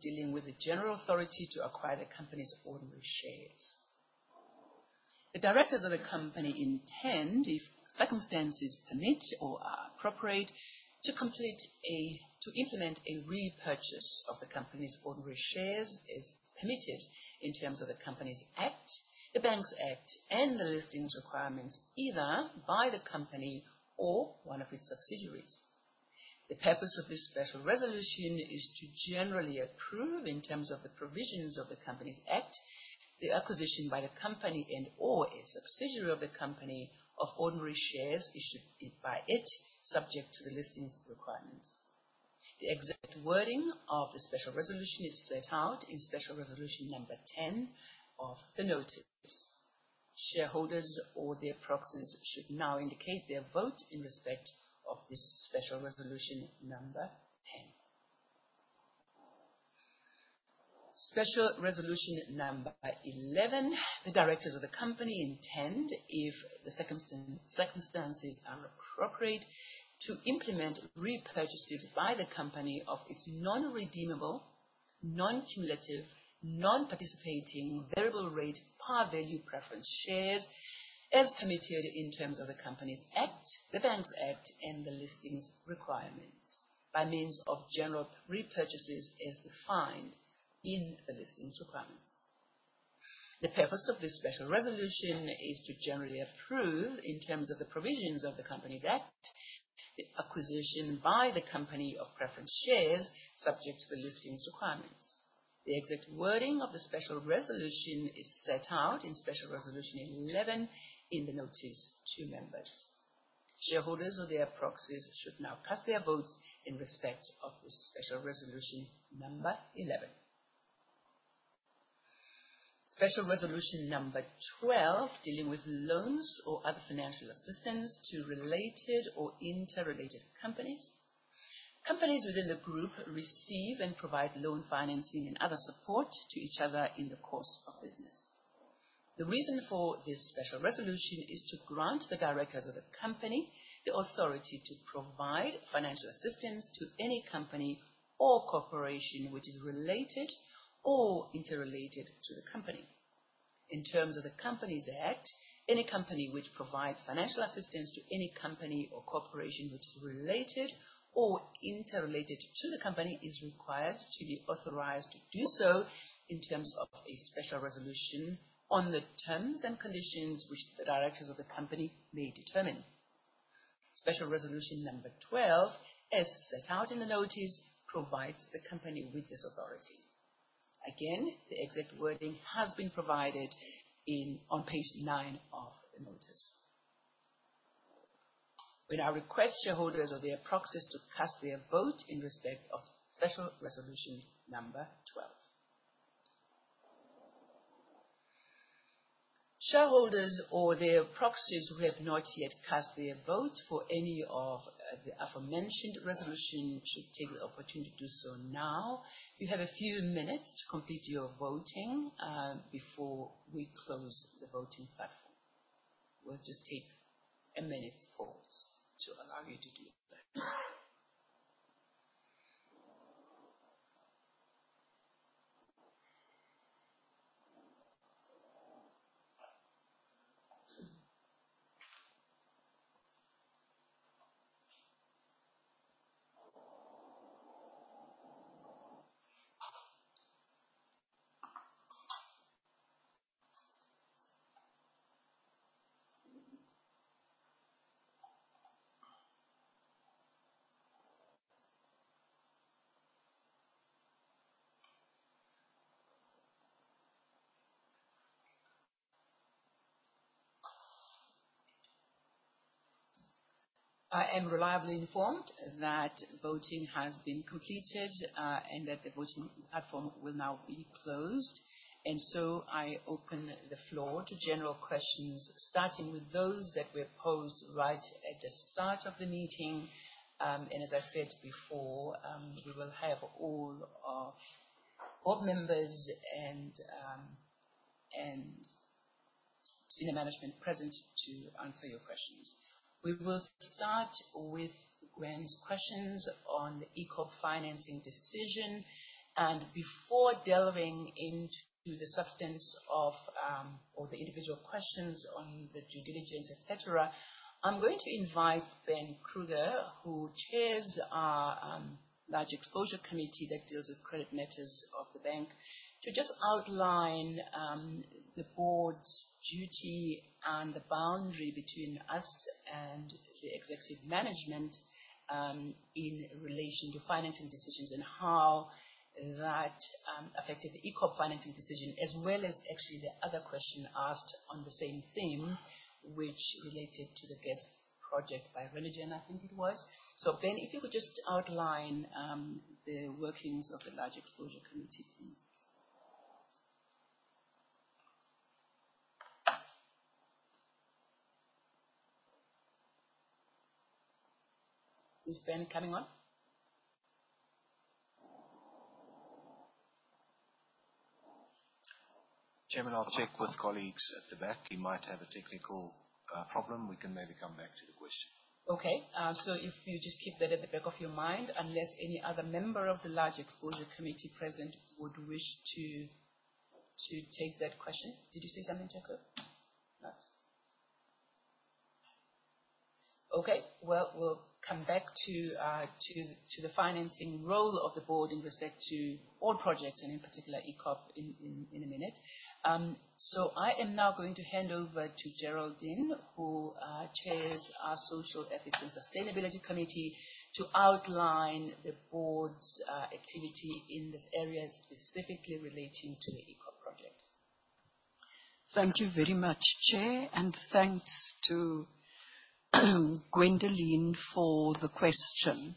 dealing with the general authority to acquire the company's ordinary shares. The directors of the company intend, if circumstances permit or are appropriate, to implement a repurchase of the company's ordinary shares as permitted in terms of the Companies Act, the Banks Act, and the listings requirements, either by the company or one of its subsidiaries. The purpose of this special resolution is to generally approve, in terms of the provisions of the Companies Act, the acquisition by the company and/or a subsidiary of the company of ordinary shares issued by it, subject to the listings requirements. The exact wording of the special resolution is set out in special resolution number 10 of the notice. Shareholders or their proxies should now indicate their vote in respect of this special resolution number 10. Special resolution number 11. The directors of the company intend, if the circumstances are appropriate, to implement repurchases by the company of its non-redeemable, non-cumulative, non-participating variable rate par value preference shares as permitted in terms of the Companies Act, the Banks Act, and the listings requirements by means of general repurchases as defined in the listings requirements. The purpose of this special resolution is to generally approve, in terms of the provisions of the Companies Act, the acquisition by the company of preference shares subject to the listings requirements. The exact wording of the special resolution is set out in special resolution 11 in the notice to members. Shareholders or their proxies should now cast their votes in respect of this special resolution number 11. Special resolution number 12, dealing with loans or other financial assistance to related or interrelated companies. Companies within the group receive and provide loan financing and other support to each other in the course of business. The reason for this special resolution is to grant the directors of the company the authority to provide financial assistance to any company or corporation which is related or interrelated to the company. In terms of the Companies Act, any company which provides financial assistance to any company or corporation which is related or interrelated to the company, is required to be authorized to do so in terms of a special resolution on the terms and conditions which the directors of the company may determine. Special resolution number 12, as set out in the notice, provides the company with this authority. Again, the exact wording has been provided on page nine of the notice. We now request shareholders or their proxies to cast their vote in respect of special resolution number 12. Shareholders or their proxies who have not yet cast their vote for any of the aforementioned resolution should take the opportunity to do so now. You have a few minutes to complete your voting, before we close the voting platform. We will just take a minute's pause to allow you to do that. I am reliably informed that voting has been completed, and that the voting platform will now be closed. So I open the floor to general questions, starting with those that were posed right at the start of the meeting. As I said before, we will have all our board members and senior management present to answer your questions. We will start with Gwen's questions on the eco financing decision. Before delving into the substance of all the individual questions on the due diligence, et cetera, I'm going to invite Ben Kruger, who chairs our Large Exposure Committee that deals with credit matters of the bank, to just outline the board's duty and the boundary between us and the executive management, in relation to financing decisions and how that affected the eco financing decision. As well as actually the other question asked on the same theme, which related to the gas project by Renergen, I think it was. Ben, if you could just outline the workings of the Large Exposure Committee, please. Is Ben coming on? Chairman, I'll check with colleagues at the back. He might have a technical problem. We can maybe come back to the question. Okay. If you just keep that at the back of your mind, unless any other member of the Large Exposure Credit Committee present would wish to take that question. Did you say something, Jacko? No. Okay. We'll come back to the financing role of the board in respect to all projects and in particular EACOP in a minute. I am now going to hand over to Geraldine who chairs our Group Social, Ethics and Sustainability Committee to outline the board's activity in this area, specifically relating to the EACOP project. Thank you very much, Chair. Thanks to Gwendolyn Wellmann for the question.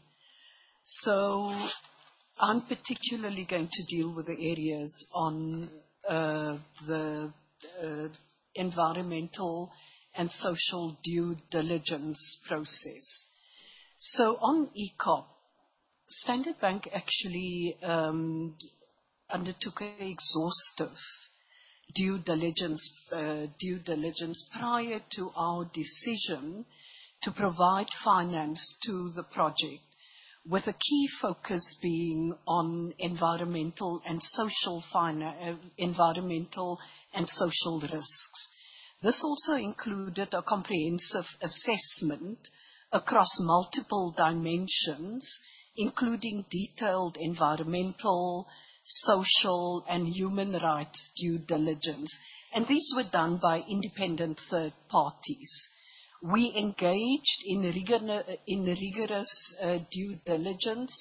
I'm particularly going to deal with the areas on the environmental and social due diligence process. On EACOP, Standard Bank Group actually undertook an exhaustive due diligence prior to our decision to provide finance to the project, with a key focus being on environmental and social risks. This also included a comprehensive assessment across multiple dimensions, including detailed environmental, social, and human rights due diligence. These were done by independent third parties. We engaged in rigorous due diligence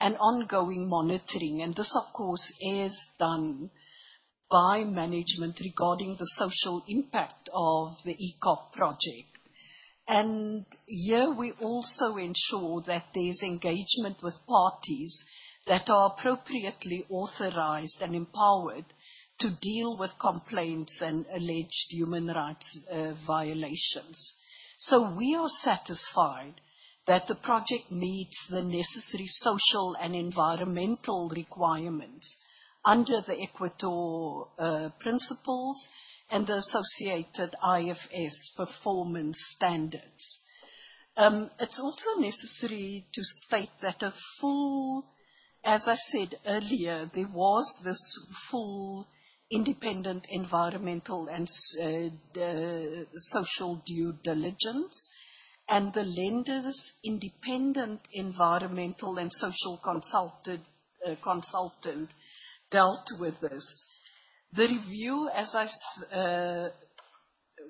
and ongoing monitoring. This of course, is done by management regarding the social impact of the EACOP project. Here we also ensure that there's engagement with parties that are appropriately authorized and empowered to deal with complaints and alleged human rights violations. We are satisfied that the project meets the necessary social and environmental requirements under the Equator Principles and the associated IFC performance standards. It's also necessary to state that, as I said earlier, there was this full independent environmental and social due diligence, and the lenders' independent environmental and social consultant dealt with this. The review,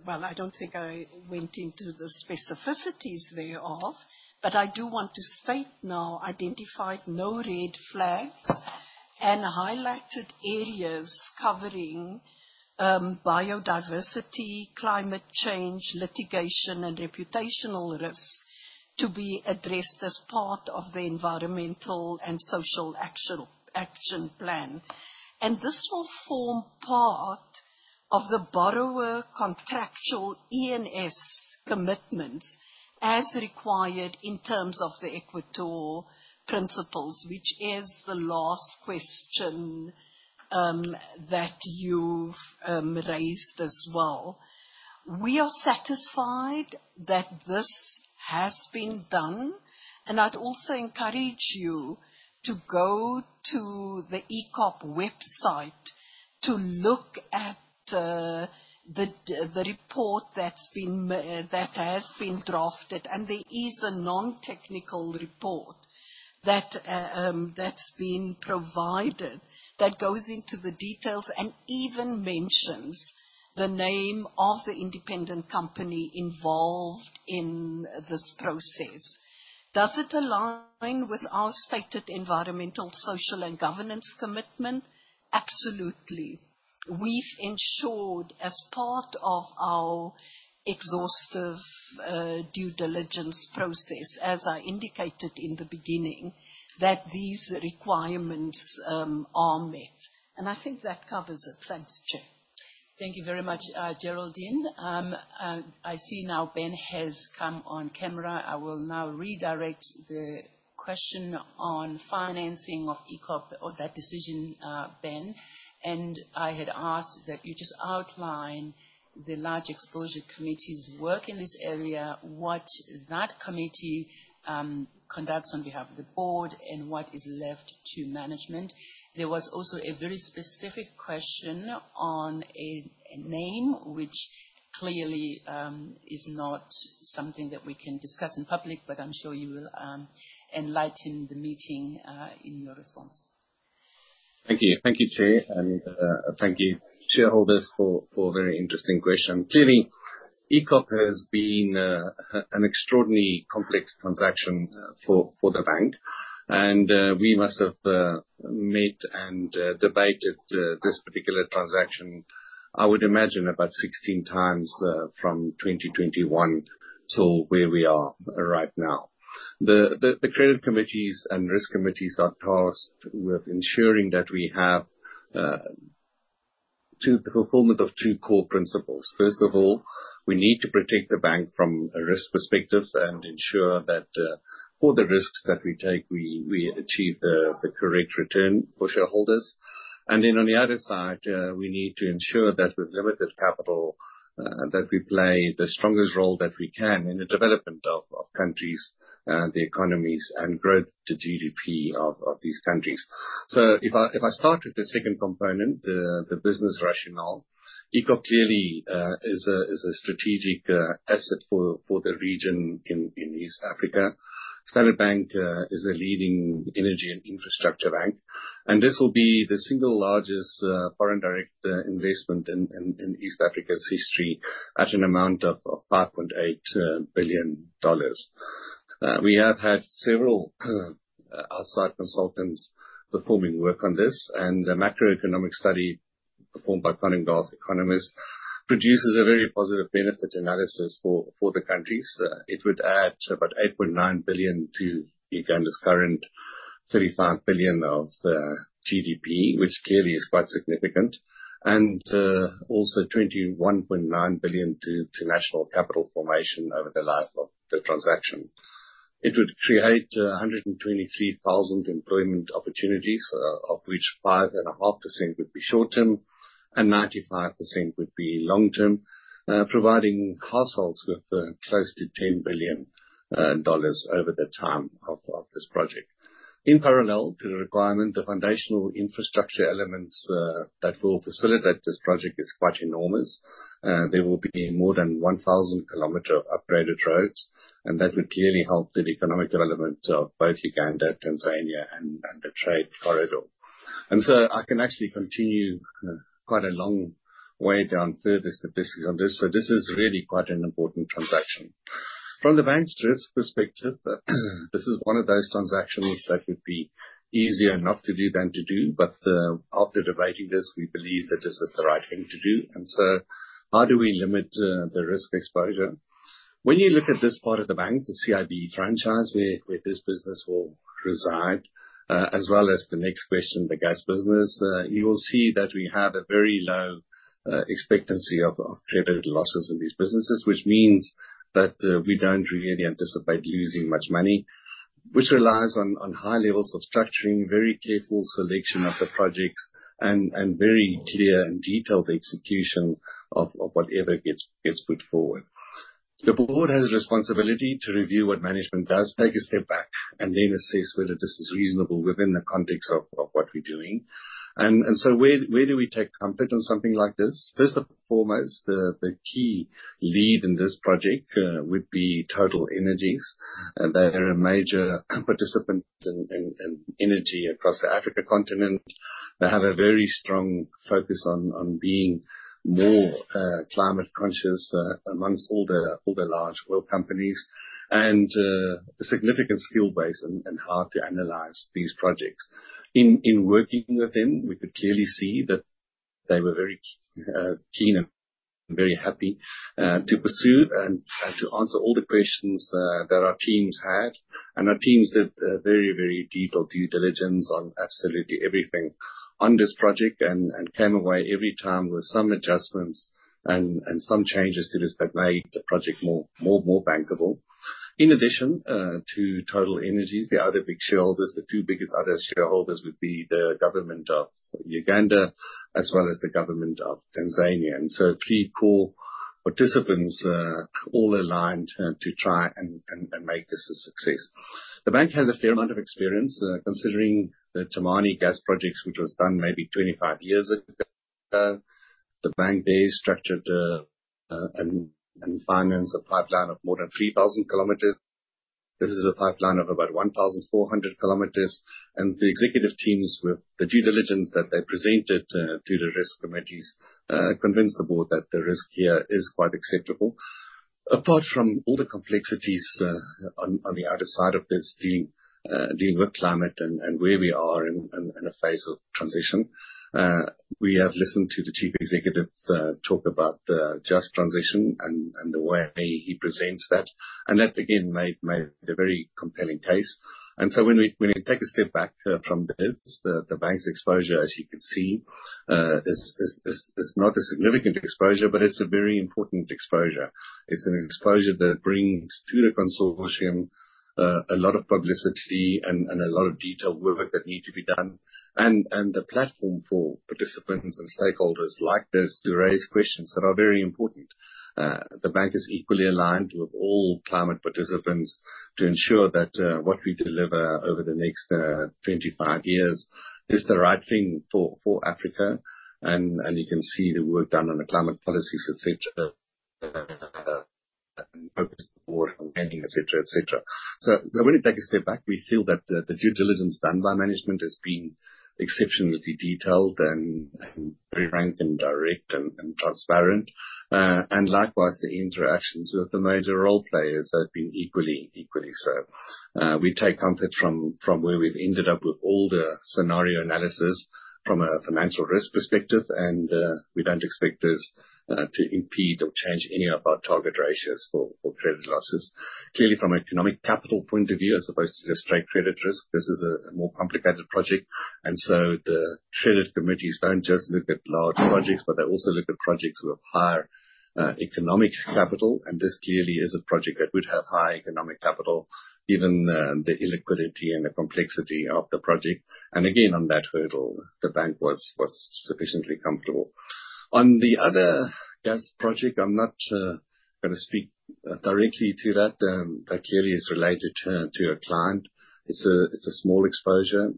well, I don't think I went into the specificities thereof, but I do want to state now, identified no red flags and highlighted areas covering biodiversity, climate change, litigation, and reputational risks to be addressed as part of the environmental and social action plan. This will form part of the borrower contractual E&S commitment as required in terms of the Equator Principles, which is the last question that you've raised as well. We are satisfied that this has been done. I'd also encourage you to go to the EACOP website to look at the report that has been drafted. There is a non-technical report that's been provided that goes into the details and even mentions the name of the independent company involved in this process. Does it align with our stated environmental, social, and governance commitment? Absolutely. We've ensured, as part of our exhaustive due diligence process, as I indicated in the beginning, that these requirements are met. I think that covers it. Thanks, Chair. Thank you very much, Geraldine. I see now Ben has come on camera. I will now redirect the question on financing of EACOP or that decision, Ben. I had asked that you just outline the Large Exposure Committee's work in this area, what that committee conducts on behalf of the board, and what is left to management. There was also a very specific question on a name, which clearly is not something that we can discuss in public. I'm sure you will enlighten the meeting in your response. Thank you. Thank you, Chair, and thank you, shareholders, for a very interesting question. Clearly, EACOP has been an extraordinarily complex transaction for the bank. We must have met and debated this particular transaction, I would imagine about 16 times from 2021 till where we are right now. The credit committees and risk committees are tasked with ensuring that we have the fulfillment of two core principles. First of all, we need to protect the bank from a risk perspective and ensure that for the risks that we take, we achieve the correct return for shareholders. Then on the other side, we need to ensure that with limited capital, that we play the strongest role that we can in the development of countries, the economies, and growth to GDP of these countries. If I start with the second component, the business rationale, EACOP clearly is a strategic asset for the region in East Africa. Standard Bank is a leading energy and infrastructure bank. This will be the single largest foreign direct investment in East Africa's history at an amount of $5.8 billion. We have had several outside consultants performing work on this. The macroeconomic study performed by Conningarth Economists produces a very positive benefit analysis for the countries. It would add about $8.9 billion to Uganda's current $35 billion of GDP, which clearly is quite significant. Also, $21.9 billion to national capital formation over the life of the transaction. It would create 123,000 employment opportunities, of which 5.5% would be short-term and 95% would be long-term, providing households with close to $10 billion over the time of this project. In parallel to the requirement, the foundational infrastructure elements that will facilitate this project is quite enormous. There will be more than 1,000 kilometers of upgraded roads, that would clearly help the economic development of both Uganda, Tanzania, and the trade corridor. I can actually continue quite a long way down further statistics on this. This is really quite an important transaction. From the bank's risk perspective, this is one of those transactions that would be easier not to do than to do. After debating this, we believe that this is the right thing to do. How do we limit the risk exposure? When you look at this part of the bank, the CIB franchise, where this business will reside, as well as the next question, the gas business, you will see that we have a very low expectancy of credit losses in these businesses, which means that we don't really anticipate losing much money, which relies on high levels of structuring, very careful selection of the projects, and very clear and detailed execution of whatever gets put forward. The board has a responsibility to review what management does, take a step back, and then assess whether this is reasonable within the context of what we're doing. Where do we take comfort on something like this? First and foremost, the key lead in this project would be TotalEnergies. They are a major participant in energy across the Africa continent. They have a very strong focus on being more climate conscious amongst all the large oil companies, and a significant skill base and how to analyze these projects. In working with them, we could clearly see that they were very keen and very happy to pursue and to answer all the questions that our teams had. Our teams did a very detailed due diligence on absolutely everything on this project, and came away every time with some adjustments and some changes to this that made the project more bankable. In addition to TotalEnergies, the other big shareholders, the two biggest other shareholders would be the government of Uganda as well as the government of Tanzania. Three core participants all aligned to try and make this a success. The bank has a fair amount of experience considering the Temane gas projects, which was done maybe 25 years ago. The bank, they structured and financed a pipeline of more than 3,000 kilometers. This is a pipeline of about 1,400 kilometers. The executive teams with the due diligence that they presented to the risk committees, convince the board that the risk here is quite acceptable. Apart from all the complexities on the other side of this dealing with climate and where we are in a phase of transition. We have listened to the chief executive talk about the just transition and the way he presents that again made a very compelling case. When we take a step back from this, the bank's exposure, as you can see, is not a significant exposure, but it's a very important exposure. It's an exposure that brings to the consortium a lot of publicity and a lot of detailed work that need to be done. A platform for participants and stakeholders like this to raise questions that are very important. The bank is equally aligned with all climate participants to ensure that what we deliver over the next 25 years is the right thing for Africa. You can see the work done on the climate policies, et cetera, et cetera. When we take a step back, we feel that the due diligence done by management has been exceptionally detailed and very frank and direct and transparent. Likewise, the interactions with the major role players have been equally so. We take comfort from where we've ended up with all the scenario analysis from a financial risk perspective. We don't expect this to impede or change any of our target ratios for credit losses. Clearly, from an economic capital point of view, as opposed to just straight credit risk, this is a more complicated project. The credit committees don't just look at large projects, but they also look at projects with higher economic capital. This clearly is a project that would have high economic capital given the illiquidity and the complexity of the project. Again, on that hurdle, the bank was sufficiently comfortable. On the other gas project, I'm not going to speak directly to that. That clearly is related to a client. It's a small exposure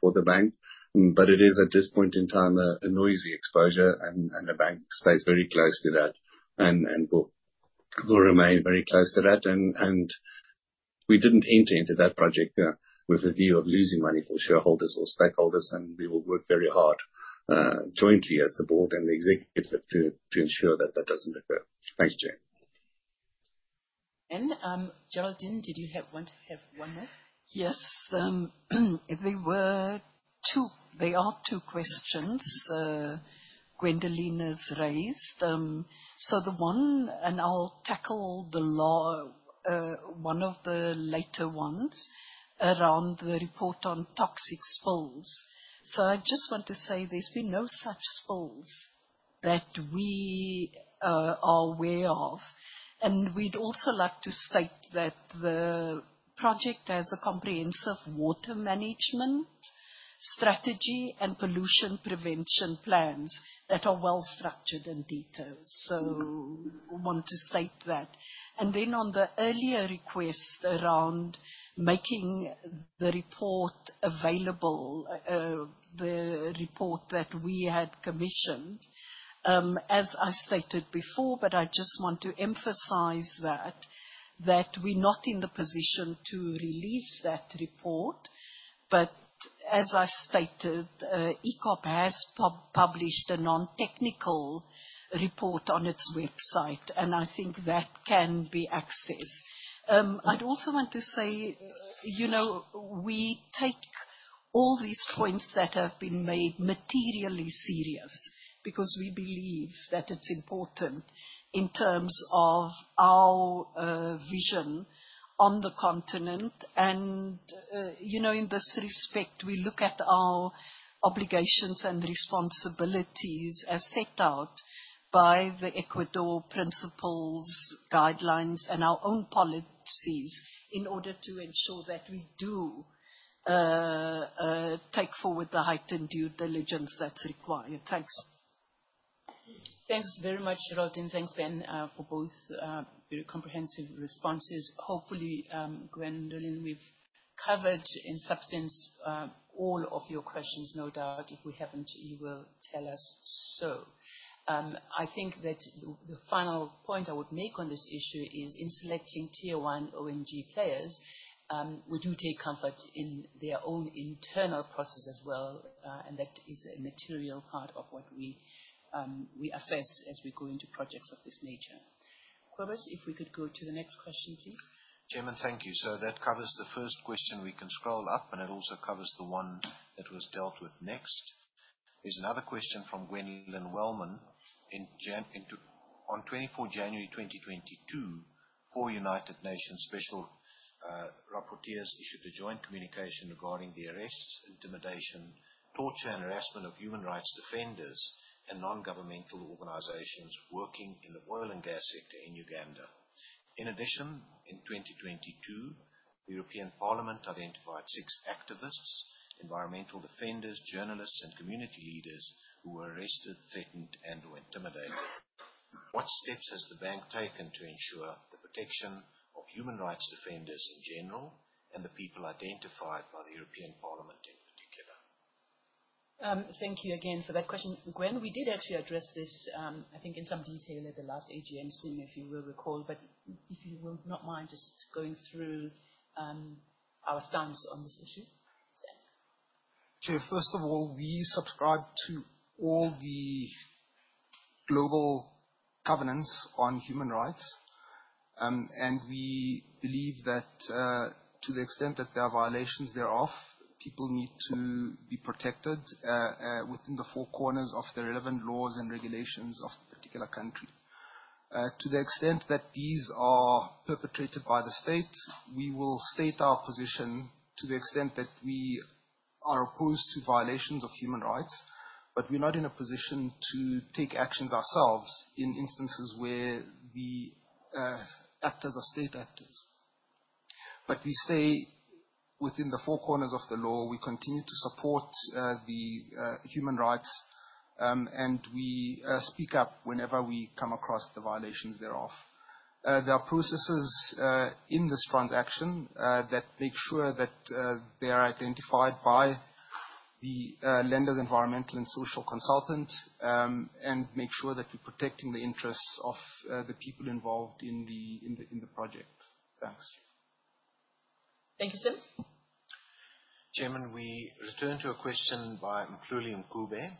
for the bank. It is, at this point in time, a noisy exposure and the bank stays very close to that and will remain very close to that. We didn't enter into that project with a view of losing money for shareholders or stakeholders, and we will work very hard jointly as the board and the executives to ensure that that doesn't occur. Thanks, Chair. Geraldine, did you have one more? There are two questions Gwendolyn has raised. The one, and I will tackle one of the later ones around the report on toxic spills. I just want to say there has been no such spills that we are aware of. We would also like to state that the project has a comprehensive water management strategy and pollution prevention plans that are well structured and detailed. Want to state that. On the earlier request around making the report available, the report that we had commissioned. As I stated before, I just want to emphasize that we are not in the position to release that report. As I stated, EACOP has published a non-technical report on its website, and I think that can be accessed. I would also want to say we take all these points that have been made materially serious, because we believe that it is important in terms of our vision on the continent. In this respect, we look at our obligations and responsibilities as set out by the Equator Principles guidelines and our own policies in order to ensure that we do take forward the heightened due diligence that is required. Thanks. Thanks very much, Geraldine. Thanks, Ben, for both very comprehensive responses. Hopefully, Gwendolyn, we have covered in substance all of your questions, no doubt. If we have not, you will tell us so. I think that the final point I would make on this issue is in selecting tier 1 IOC players, we do take comfort in their own internal process as well, and that is a material part of what we assess as we go into projects of this nature. Kobus, if we could go to the next question, please. Chairman, thank you. That covers the first question. We can scroll up, and it also covers the one that was dealt with next. There is another question from Gwendolyn Wellmann. On 24 January 2022, four United Nations special rapporteurs issued a joint communication regarding the arrests, intimidation, torture and harassment of human rights defenders and non-governmental organizations working in the oil and gas sector in Uganda. In addition, in 2022, the European Parliament identified six activists, environmental defenders, journalists and community leaders who were arrested, threatened, and/or intimidated. What steps has the bank taken to ensure the protection of human rights defenders in general, and the people identified by the European Parliament in particular? Thank you again for that question. Gwen, we did actually address this, I think, in some detail at the last AGM, if you will recall, but if you will not mind just going through our stance on this issue. Sim? Chair, first of all, we subscribe to all the global covenants on human rights. We believe that, to the extent that there are violations thereof, people need to be protected within the four corners of the relevant laws and regulations of the particular country. To the extent that these are perpetrated by the state, we will state our position to the extent that we are opposed to violations of human rights, but we're not in a position to take actions ourselves in instances where the actors are state actors. We say within the four corners of the law, we continue to support the human rights, and we speak up whenever we come across the violations thereof. There are processes in this transaction that make sure that they are identified by the lender's environmental and social consultant, and make sure that we're protecting the interests of the people involved in the project. Thanks. Thank you, Stan. Chairman, we return to a question by Mehluli Mcube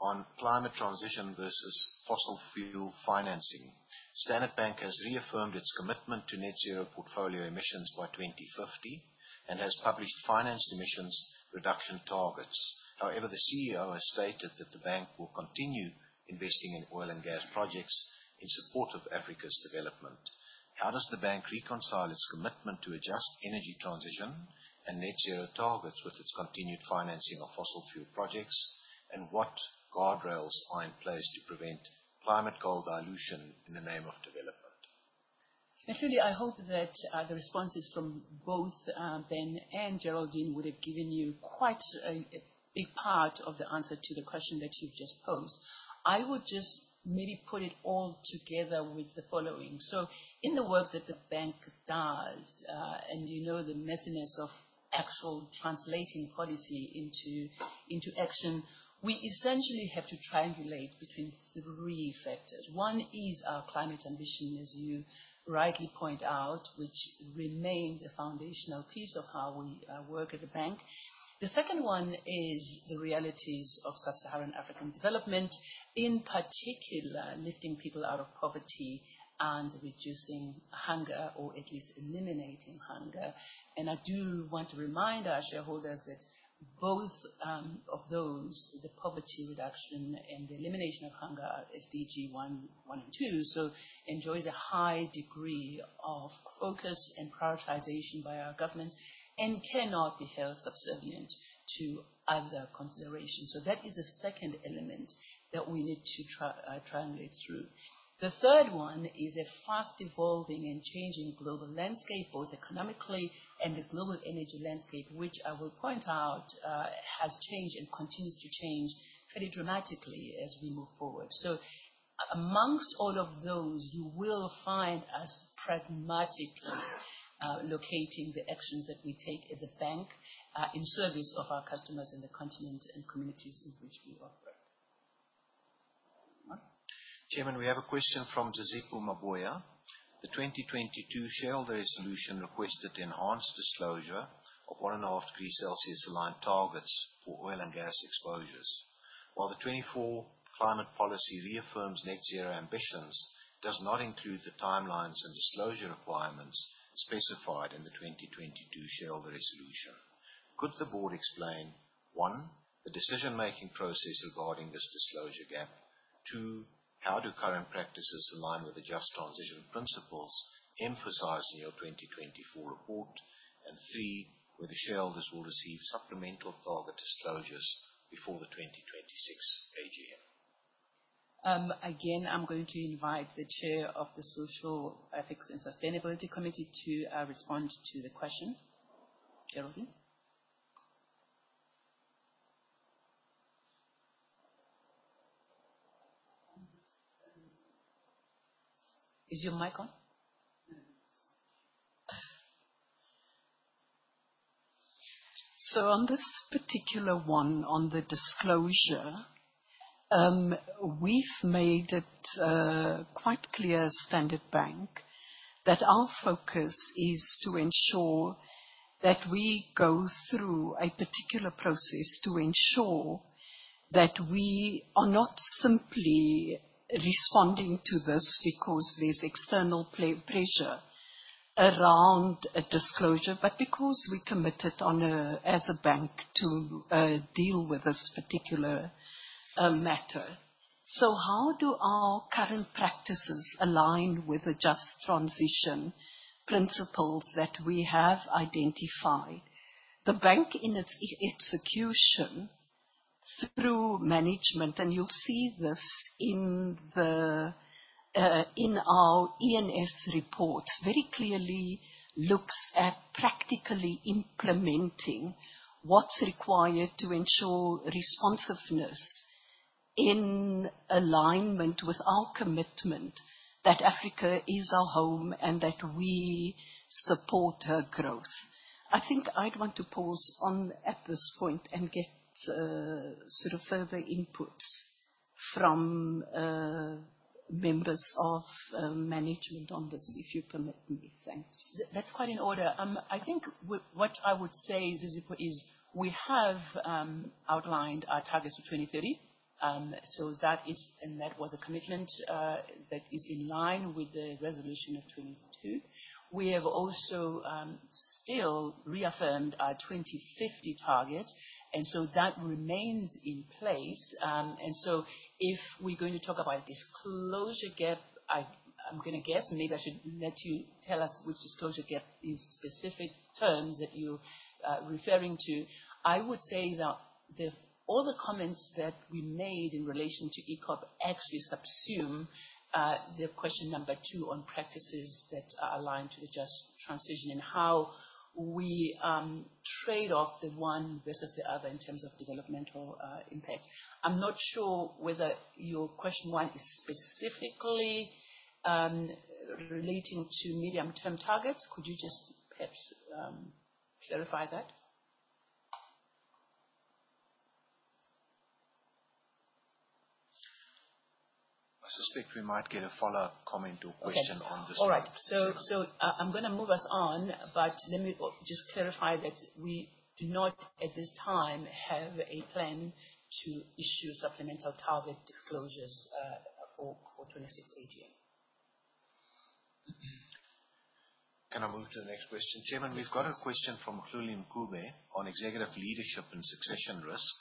on climate transition versus fossil fuel financing. Standard Bank has reaffirmed its commitment to net zero portfolio emissions by 2050 and has published financed emissions reduction targets. The CEO has stated that the bank will continue investing in oil and gas projects in support of Africa's development. How does the bank reconcile its commitment to a just energy transition and net zero targets with its continued financing of fossil fuel projects, and what guardrails are in place to prevent climate goal dilution in the name of development? Mphuli, I hope that the responses from both Ben and Geraldine would have given you quite a big part of the answer to the question that you've just posed. I would just maybe put it all together with the following. In the work that the bank does, and you know the messiness of actual translating policy into action, we essentially have to triangulate between three factors. One is our climate ambition, as you rightly point out, which remains a foundational piece of how we work at the bank. The second one is the realities of sub-Saharan African development, in particular lifting people out of poverty and reducing hunger, or at least eliminating hunger. I do want to remind our shareholders that both of those, the poverty reduction and the elimination of hunger, SDG 1.2, so enjoys a high degree of focus and prioritization by our government and cannot be held subservient to other considerations. That is a second element that we need to triangulate through. The third one is a fast-evolving and changing global landscape, both economically and the global energy landscape, which I will point out has changed and continues to change pretty dramatically as we move forward. Amongst all of those, you will find us pragmatically locating the actions that we take as a bank in service of our customers in the continent and communities in which we operate. Chairman, we have a question from Zizipho Mabuya. The 2022 shareholder resolution requested enhanced disclosure of 1.5 degree Celsius aligned targets for oil and gas exposures. While the 2024 climate policy reaffirms net zero ambitions does not include the timelines and disclosure requirements specified in the 2022 shareholder resolution. Could the board explain, 1, the decision-making process regarding this disclosure gap? 2, how do current practices align with the just transition principles emphasized in your 2024 report? And 3, whether shareholders will receive supplemental target disclosures before the 2026 AGM. I'm going to invite the Chair of the Group Social, Ethics and Sustainability Committee to respond to the question. Geraldine? Is your mic on? On this particular one, on the disclosure, we've made it quite clear at Standard Bank that our focus is to ensure that we go through a particular process to ensure that we are not simply responding to this because there's external pressure around a disclosure, but because we committed as a bank to deal with this particular matter. How do our current practices align with the just transition principles that we have identified? The bank in its execution through management, and you'll see this in our E&S reports, very clearly looks at practically implementing what's required to ensure responsiveness in alignment with our commitment that Africa is our home and that we support her growth. I think I'd want to pause at this point and get further input from members of management on this, if you permit me. Thanks. That's quite in order. I think what I would say is we have outlined our targets for 2030. That was a commitment that is in line with the resolution of 2022. We have also still reaffirmed our 2050 target, that remains in place. If we're going to talk about disclosure gap, I'm going to guess, maybe I should let you tell us which disclosure gap in specific terms that you're referring to. I would say that all the comments that we made in relation to EACOP actually subsume the question number 2 on practices that are aligned to the just transition and how we trade off the one versus the other in terms of developmental impact. I'm not sure whether your question one is specifically relating to medium-term targets. Could you just perhaps clarify that? I suspect we might get a follow-up comment or question on this one. All right. I'm going to move us on, but let me just clarify that we do not, at this time, have a plan to issue supplemental target disclosures for 2026 AGM. Can I move to the next question? Chairman, we've got a question from Hlueli Nkube on executive leadership and succession risk.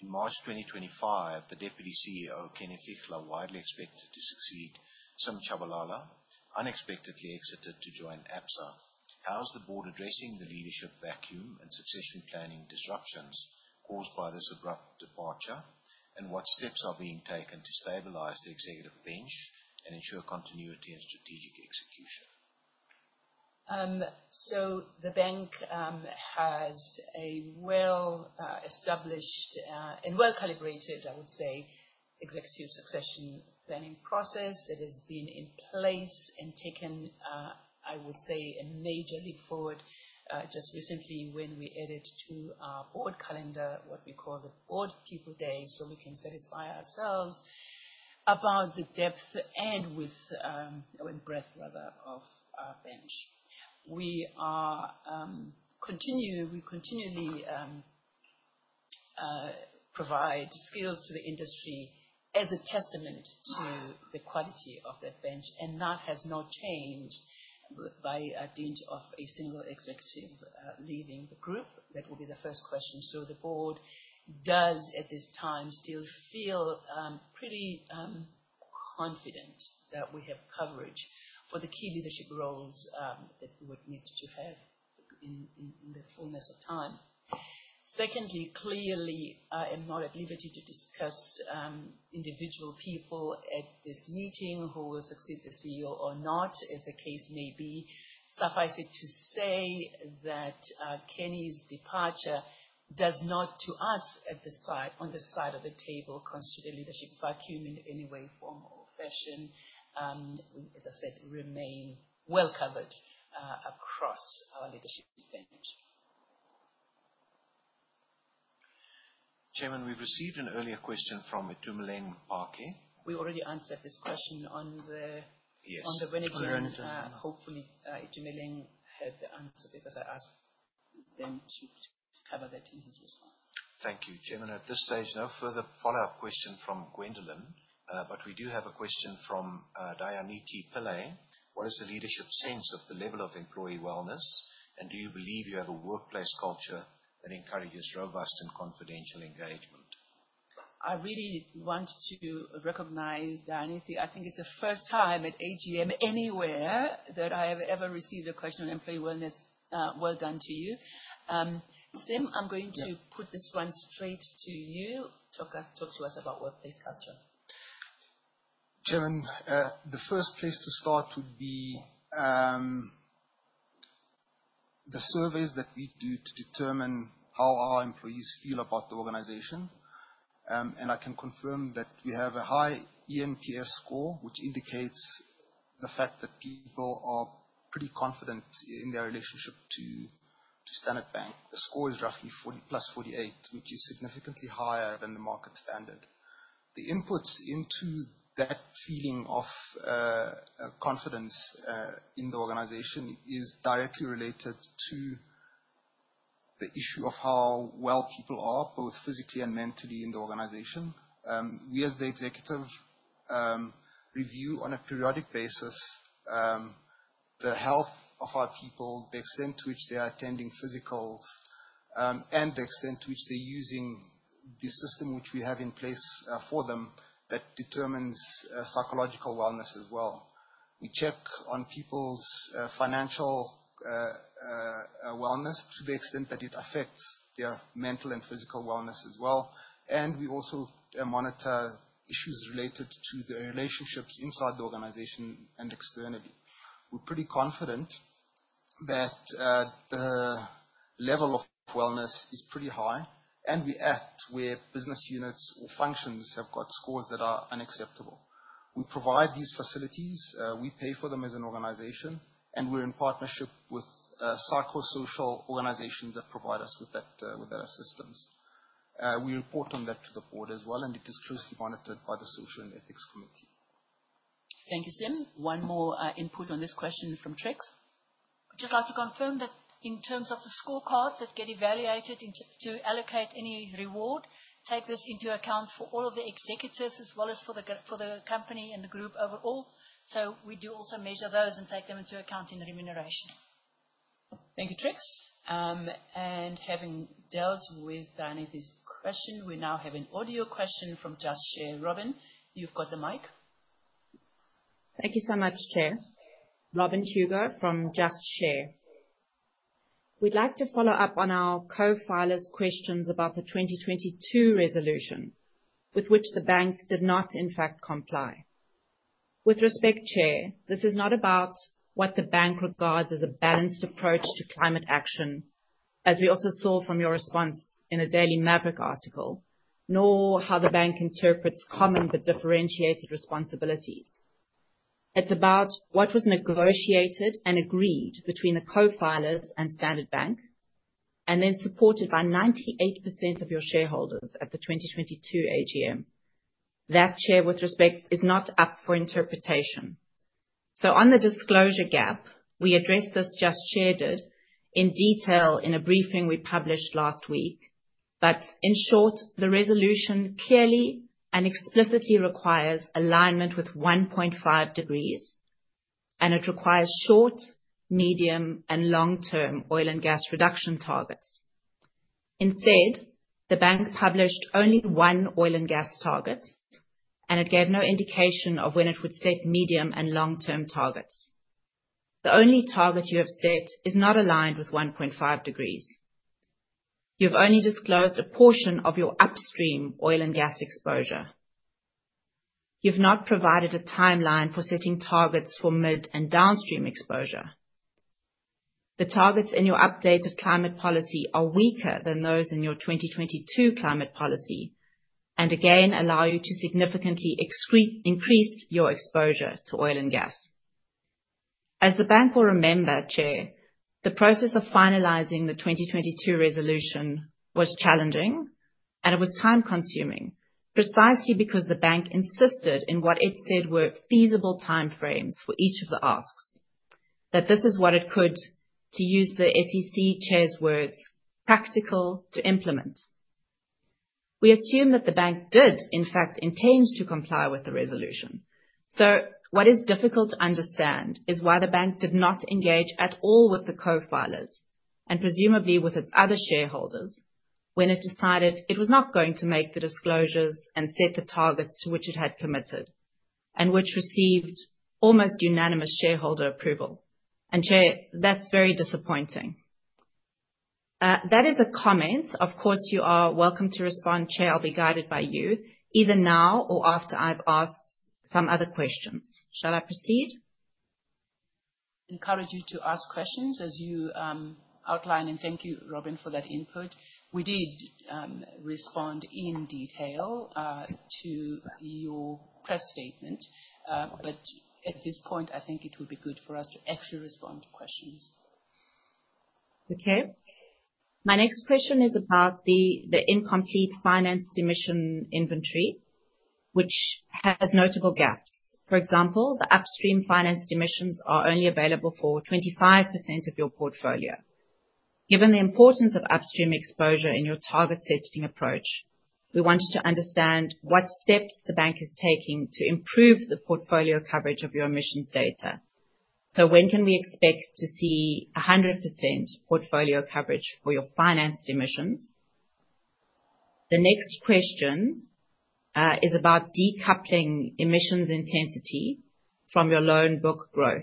In March 2025, the Deputy CEO, Kenny Fihla, widely expected to succeed Sim Tshabalala, unexpectedly exited to join Absa. How is the board addressing the leadership vacuum and succession planning disruptions caused by this abrupt departure, and what steps are being taken to stabilize the executive bench and ensure continuity and strategic execution? The bank has a well-established and well-calibrated, I would say, executive succession planning process that has been in place and taken, I would say, a major leap forward just recently when we added to our board calendar what we call the Board People Day, we can satisfy ourselves about the depth and width, breadth rather, of our bench. We continually provide skills to the industry as a testament to the quality of that bench, and that has not changed by dint of a single executive leaving the group. That will be the first question. The board does at this time still feel pretty confident that we have coverage for the key leadership roles that we would need to have in the fullness of time. Secondly, clearly, I am not at liberty to discuss individual people at this meeting who will succeed the CEO or not as the case may be. Suffice it to say that Kenny's departure does not to us on this side of the table constitute a leadership vacuum in any way, form, or fashion. As I said, remain well covered across our leadership bench. Chairman, we've received an earlier question from Itumeleng Mphake. We already answered this question. Yes on the Reniton. Hopefully Itumeleng heard the answer because she could cover that in his response. Thank you, Chair. At this stage, no further follow-up question from Gwendolyn. We do have a question from [Dianeti Pillay]. What is the leadership sense of the level of employee wellness, and do you believe you have a workplace culture that encourages robust and confidential engagement? I really want to recognize [Dianeti]. I think it's the first time at AGM anywhere that I have ever received a question on employee wellness. Well done to you. Sim, I'm going to put this one straight to you. Talk to us about workplace culture. Chair, the first place to start would be the surveys that we do to determine how our employees feel about the organization. I can confirm that we have a high eNPS score, which indicates the fact that people are pretty confident in their relationship to Standard Bank. The score is roughly plus 48, which is significantly higher than the market standard. The inputs into that feeling of confidence in the organization is directly related to the issue of how well people are, both physically and mentally in the organization. We, as the Executive, review on a periodic basis, the health of our people, the extent to which they are attending physicals, and the extent to which they're using the system which we have in place for them that determines psychological wellness as well. We check on people's financial wellness to the extent that it affects their mental and physical wellness as well. We also monitor issues related to their relationships inside the organization and externally. We're pretty confident that the level of wellness is pretty high, and we act where business units or functions have got scores that are unacceptable. We provide these facilities, we pay for them as an organization, and we're in partnership with psychosocial organizations that provide us with that assistance. We report on that to the board as well, and it is closely monitored by the Social and Ethics Committee. Thank you, Sim. One more input on this question from Trix. Just like to confirm that in terms of the scorecards that get evaluated to allocate any reward, take this into account for all of the executives as well as for the company and the group overall. We do also measure those and take them into account in remuneration. Thank you, Trix. Having dealt with [Dianeti's question, we now have an audio question from Just Share. Robyn, you've got the mic. Thank you so much, Chair. Robyn Hugo from Just Share. We'd like to follow up on our co-filers' questions about the 2022 resolution with which the bank did not, in fact, comply. With respect, Chair, this is not about what the bank regards as a balanced approach to climate action, as we also saw from your response in a Daily Maverick article, nor how the bank interprets common but differentiated responsibilities. It's about what was negotiated and agreed between the co-filers and Standard Bank, and then supported by 98% of your shareholders at the 2022 AGM. That, Chair, with respect, is not up for interpretation. On the disclosure gap, we addressed this, Just Share did, in detail in a briefing we published last week. In short, the resolution clearly and explicitly requires alignment with 1.5 degrees, and it requires short, medium, and long-term oil and gas reduction targets. Instead, the bank published only one oil and gas target, and it gave no indication of when it would set medium and long-term targets. The only target you have set is not aligned with 1.5 degrees. You've only disclosed a portion of your upstream oil and gas exposure. You've not provided a timeline for setting targets for mid and downstream exposure. The targets in your updated climate policy are weaker than those in your 2022 climate policy and again, allow you to significantly increase your exposure to oil and gas. As the bank will remember, Chair, the process of finalizing the 2022 resolution was challenging, and it was time-consuming precisely because the bank insisted in what it said were feasible time frames for each of the asks, that this is what it could, to use the SEC Chair's words, practical to implement. We assume that the bank did, in fact, intend to comply with the resolution. What is difficult to understand is why the bank did not engage at all with the co-filers and presumably with its other shareholders when it decided it was not going to make the disclosures and set the targets to which it had committed and which received almost unanimous shareholder approval. Chair, that's very disappointing. That is a comment. Of course, you are welcome to respond, Chair. I'll be guided by you either now or after I've asked some other questions. Shall I proceed? Encourage you to ask questions as you outline. Thank you, Robyn, for that input. We did respond in detail to your press statement. At this point, I think it would be good for us to actually respond to questions. Okay. My next question is about the incomplete financed emission inventory. Which has notable gaps. For example, the upstream financed emissions are only available for 25% of your portfolio. Given the importance of upstream exposure in your target setting approach, we wanted to understand what steps the bank is taking to improve the portfolio coverage of your emissions data. When can we expect to see 100% portfolio coverage for your financed emissions? The next question is about decoupling emissions intensity from your loan book growth.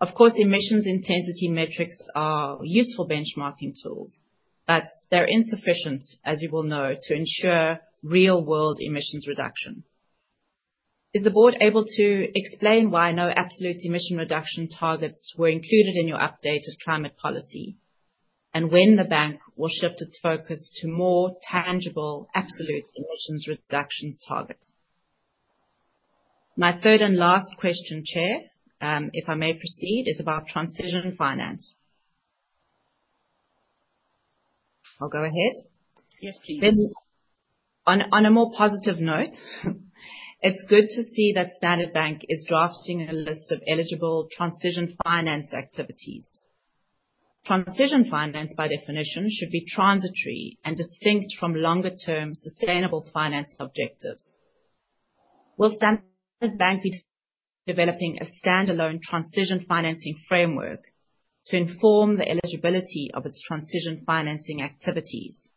Of course, emissions intensity metrics are useful benchmarking tools, but they're insufficient, as you well know, to ensure real-world emissions reduction. Is the board able to explain why no absolute emission reduction targets were included in your updated climate policy, and when the bank will shift its focus to more tangible absolute emissions reductions targets? My third and last question, Chair, if I may proceed, is about transition finance. I'll go ahead. Yes, please. On a more positive note, it's good to see that Standard Bank is drafting a list of eligible transition finance activities. Transition finance, by definition, should be transitory and distinct from longer-term sustainable finance objectives. Will Standard Bank be developing a standalone transition financing framework to inform the eligibility of its transition financing activities?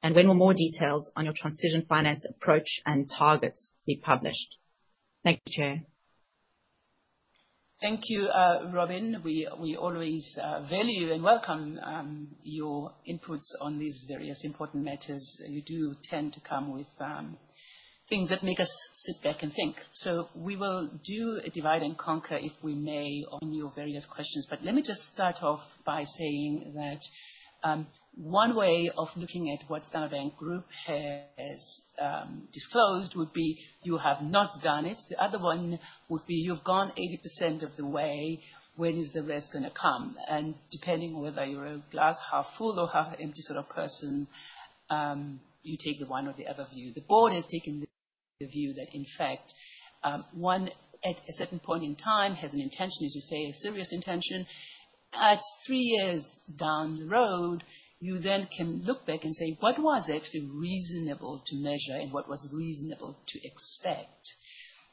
When will more details on your transition finance approach and targets be published? Thank you, Chair. Thank you, Robyn. We always value and welcome your inputs on these various important matters. You do tend to come with things that make us sit back and think. We will do a divide and conquer, if we may, on your various questions. Let me just start off by saying that one way of looking at what Standard Bank Group has disclosed would be you have not done it. The other one would be you've gone 80% of the way, when is the rest going to come? Depending whether you're a glass half full or half empty sort of person, you take the one or the other view. The board has taken the view that in fact, one at a certain point in time has an intention, as you say, a serious intention. At three years down the road, you then can look back and say, "What was actually reasonable to measure and what was reasonable to expect?"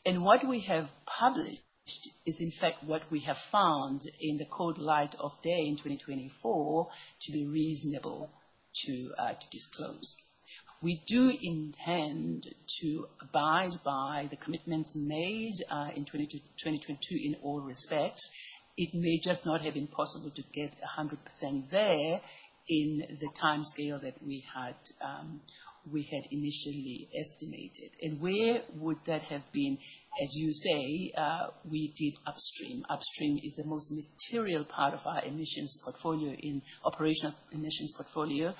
What we have published is in fact what we have found in the cold light of day in 2024 to be reasonable to disclose. We do intend to abide by the commitments made in 2022 in all respects. It may just not have been possible to get 100% there in the timescale that we had initially estimated. Where would that have been? As you say, we did upstream. Upstream is the most material part of our emissions portfolio in operational emissions portfolio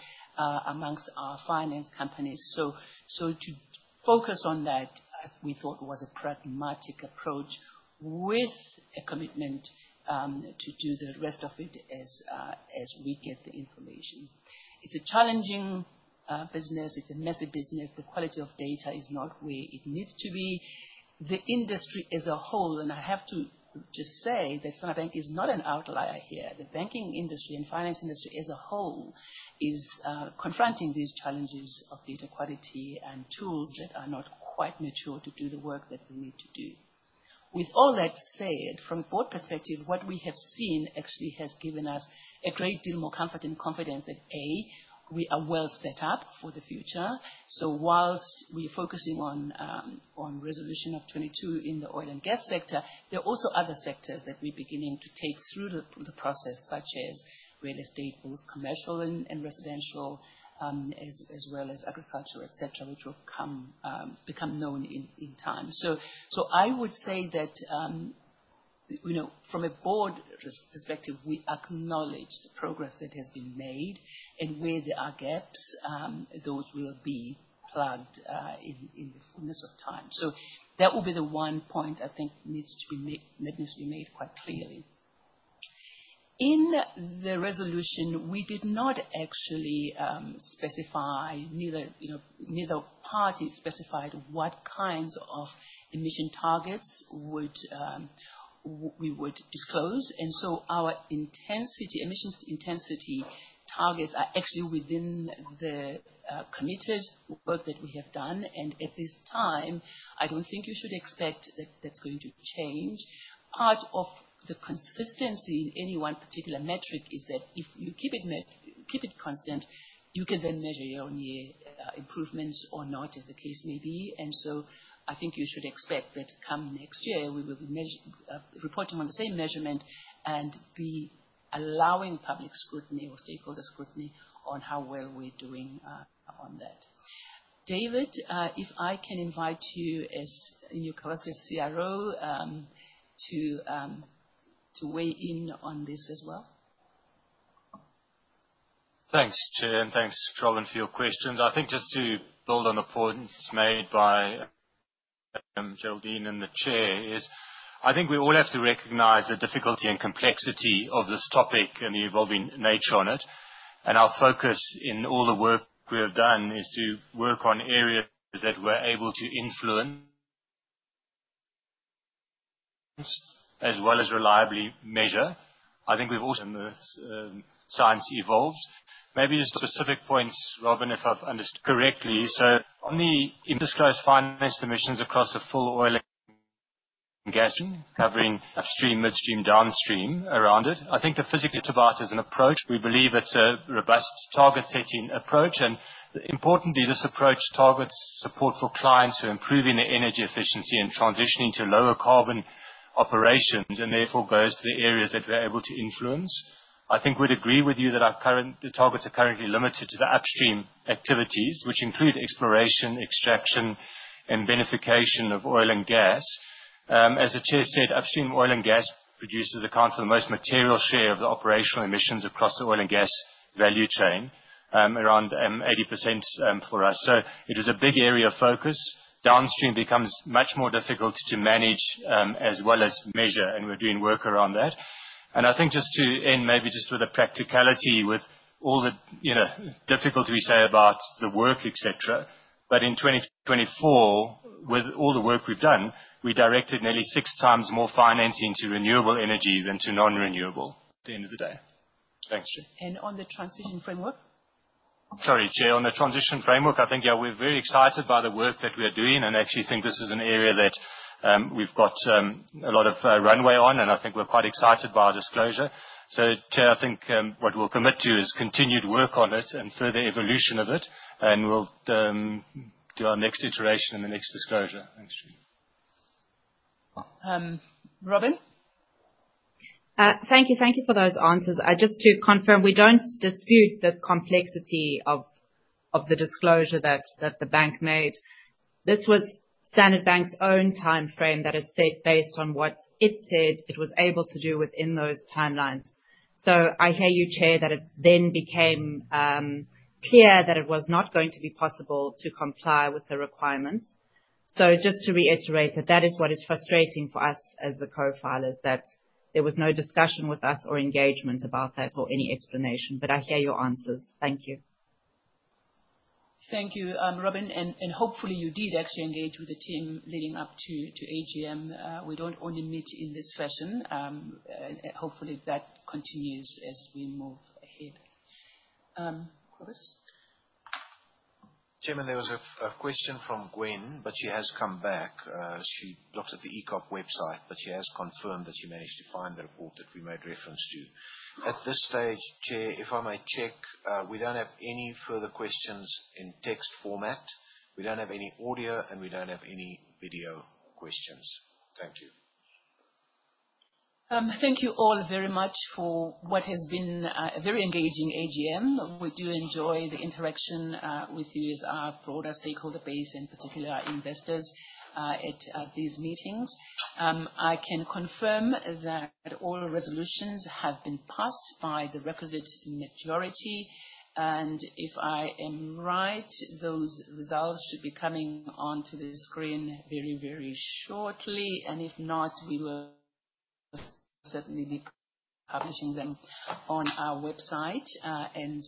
amongst our finance companies. To focus on that, we thought was a pragmatic approach with a commitment to do the rest of it as we get the information. It's a challenging business. It's a messy business. The quality of data is not where it needs to be. The industry as a whole, and I have to just say that Standard Bank is not an outlier here. The banking industry and finance industry as a whole is confronting these challenges of data quality and tools that are not quite mature to do the work that we need to do. With all that said, from a board perspective, what we have seen actually has given us a great deal more comfort and confidence that, A, we are well set up for the future. Whilst we're focusing on resolution of 2022 in the oil and gas sector, there are also other sectors that we're beginning to take through the process, such as real estate, both commercial and residential, as well as agriculture, et cetera, which will become known in time. I would say that from a board perspective, we acknowledge the progress that has been made and where there are gaps, those will be plugged in the fullness of time. That will be the one point I think that needs to be made quite clearly. In the resolution, we did not actually specify, neither party specified what kinds of emission targets we would disclose. Our emissions intensity targets are actually within the committed work that we have done. At this time, I don't think you should expect that that's going to change. Part of the consistency in any one particular metric is that if you keep it constant, you can then measure year-on-year improvements or not, as the case may be. I think you should expect that come next year, we will be reporting on the same measurement and be allowing public scrutiny or stakeholder scrutiny on how well we're doing on that. David, if I can invite you as you across the CRO to weigh in on this as well. Thanks, Chair, and thanks, Robyn, for your questions. Just to build on the points made by Geraldine and the Chair is, I think we all have to recognize the difficulty and complexity of this topic and the evolving nature on it. Our focus in all the work we have done is to work on areas that we're able to influence as well as reliably measure. I think we've also, as science evolves, maybe specific points, Robyn, if I've understood correctly. On the undisclosed finance emissions across the full oil and gas, covering upstream, midstream, downstream around it. I think the physical is about as an approach. We believe it's a robust target-setting approach. Importantly, this approach targets support for clients who are improving their energy efficiency and transitioning to lower carbon operations and therefore goes to the areas that we're able to influence. I think we'd agree with you that the targets are currently limited to the upstream activities, which include exploration, extraction, and beneficiation of oil and gas. As the Chair said, upstream oil and gas producers account for the most material share of the operational emissions across the oil and gas value chain, around 80% for us. It is a big area of focus. Downstream becomes much more difficult to manage as well as measure, and we're doing work around that. Just to end maybe just with the practicality, with all the difficulty we say about the work, et cetera, but in 2024, with all the work we've done, we directed nearly six times more financing to renewable energy than to non-renewable at the end of the day. Thanks. On the transition framework. Sorry, Chair. On the transition framework, I think, yeah, we're very excited by the work that we are doing and actually think this is an area that we've got a lot of runway on, and I think we're quite excited by our disclosure. Chair, I think what we'll commit to is continued work on it and further evolution of it, and we'll do our next iteration in the next disclosure. Thanks, Chair. Robyn. Thank you. Thank you for those answers. Just to confirm, we don't dispute the complexity of the disclosure that the bank made. This was Standard Bank's own timeframe that it set based on what it said it was able to do within those timelines. I hear you, Chair, that it then became clear that it was not going to be possible to comply with the requirements. Just to reiterate that that is what is frustrating for us as the co-filers, that there was no discussion with us or engagement about that or any explanation. I hear your answers. Thank you. Thank you, Robyn. Hopefully you did actually engage with the team leading up to AGM. We don't only meet in this fashion. Hopefully, that continues as we move ahead. Kobus. Chairman, there was a question from Gwen, she has come back. She looked at the EACOP website, she has confirmed that she managed to find the report that we made reference to. At this stage, Chair, if I may check, we don't have any further questions in text format, we don't have any audio, and we don't have any video questions. Thank you. Thank you all very much for what has been a very engaging AGM. We do enjoy the interaction with you as our broader stakeholder base and particular investors at these meetings. I can confirm that all resolutions have been passed by the requisite majority. If I am right, those results should be coming onto the screen very shortly. If not, we will certainly be publishing them on our website, and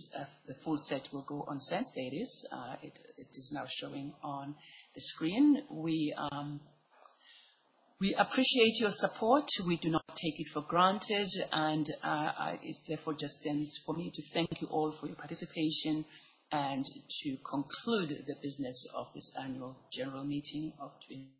the full set will go on SENS. There it is. It is now showing on the screen. We appreciate your support. We do not take it for granted. It therefore just remains for me to thank you all for your participation and to conclude the business of this annual general meeting of twenty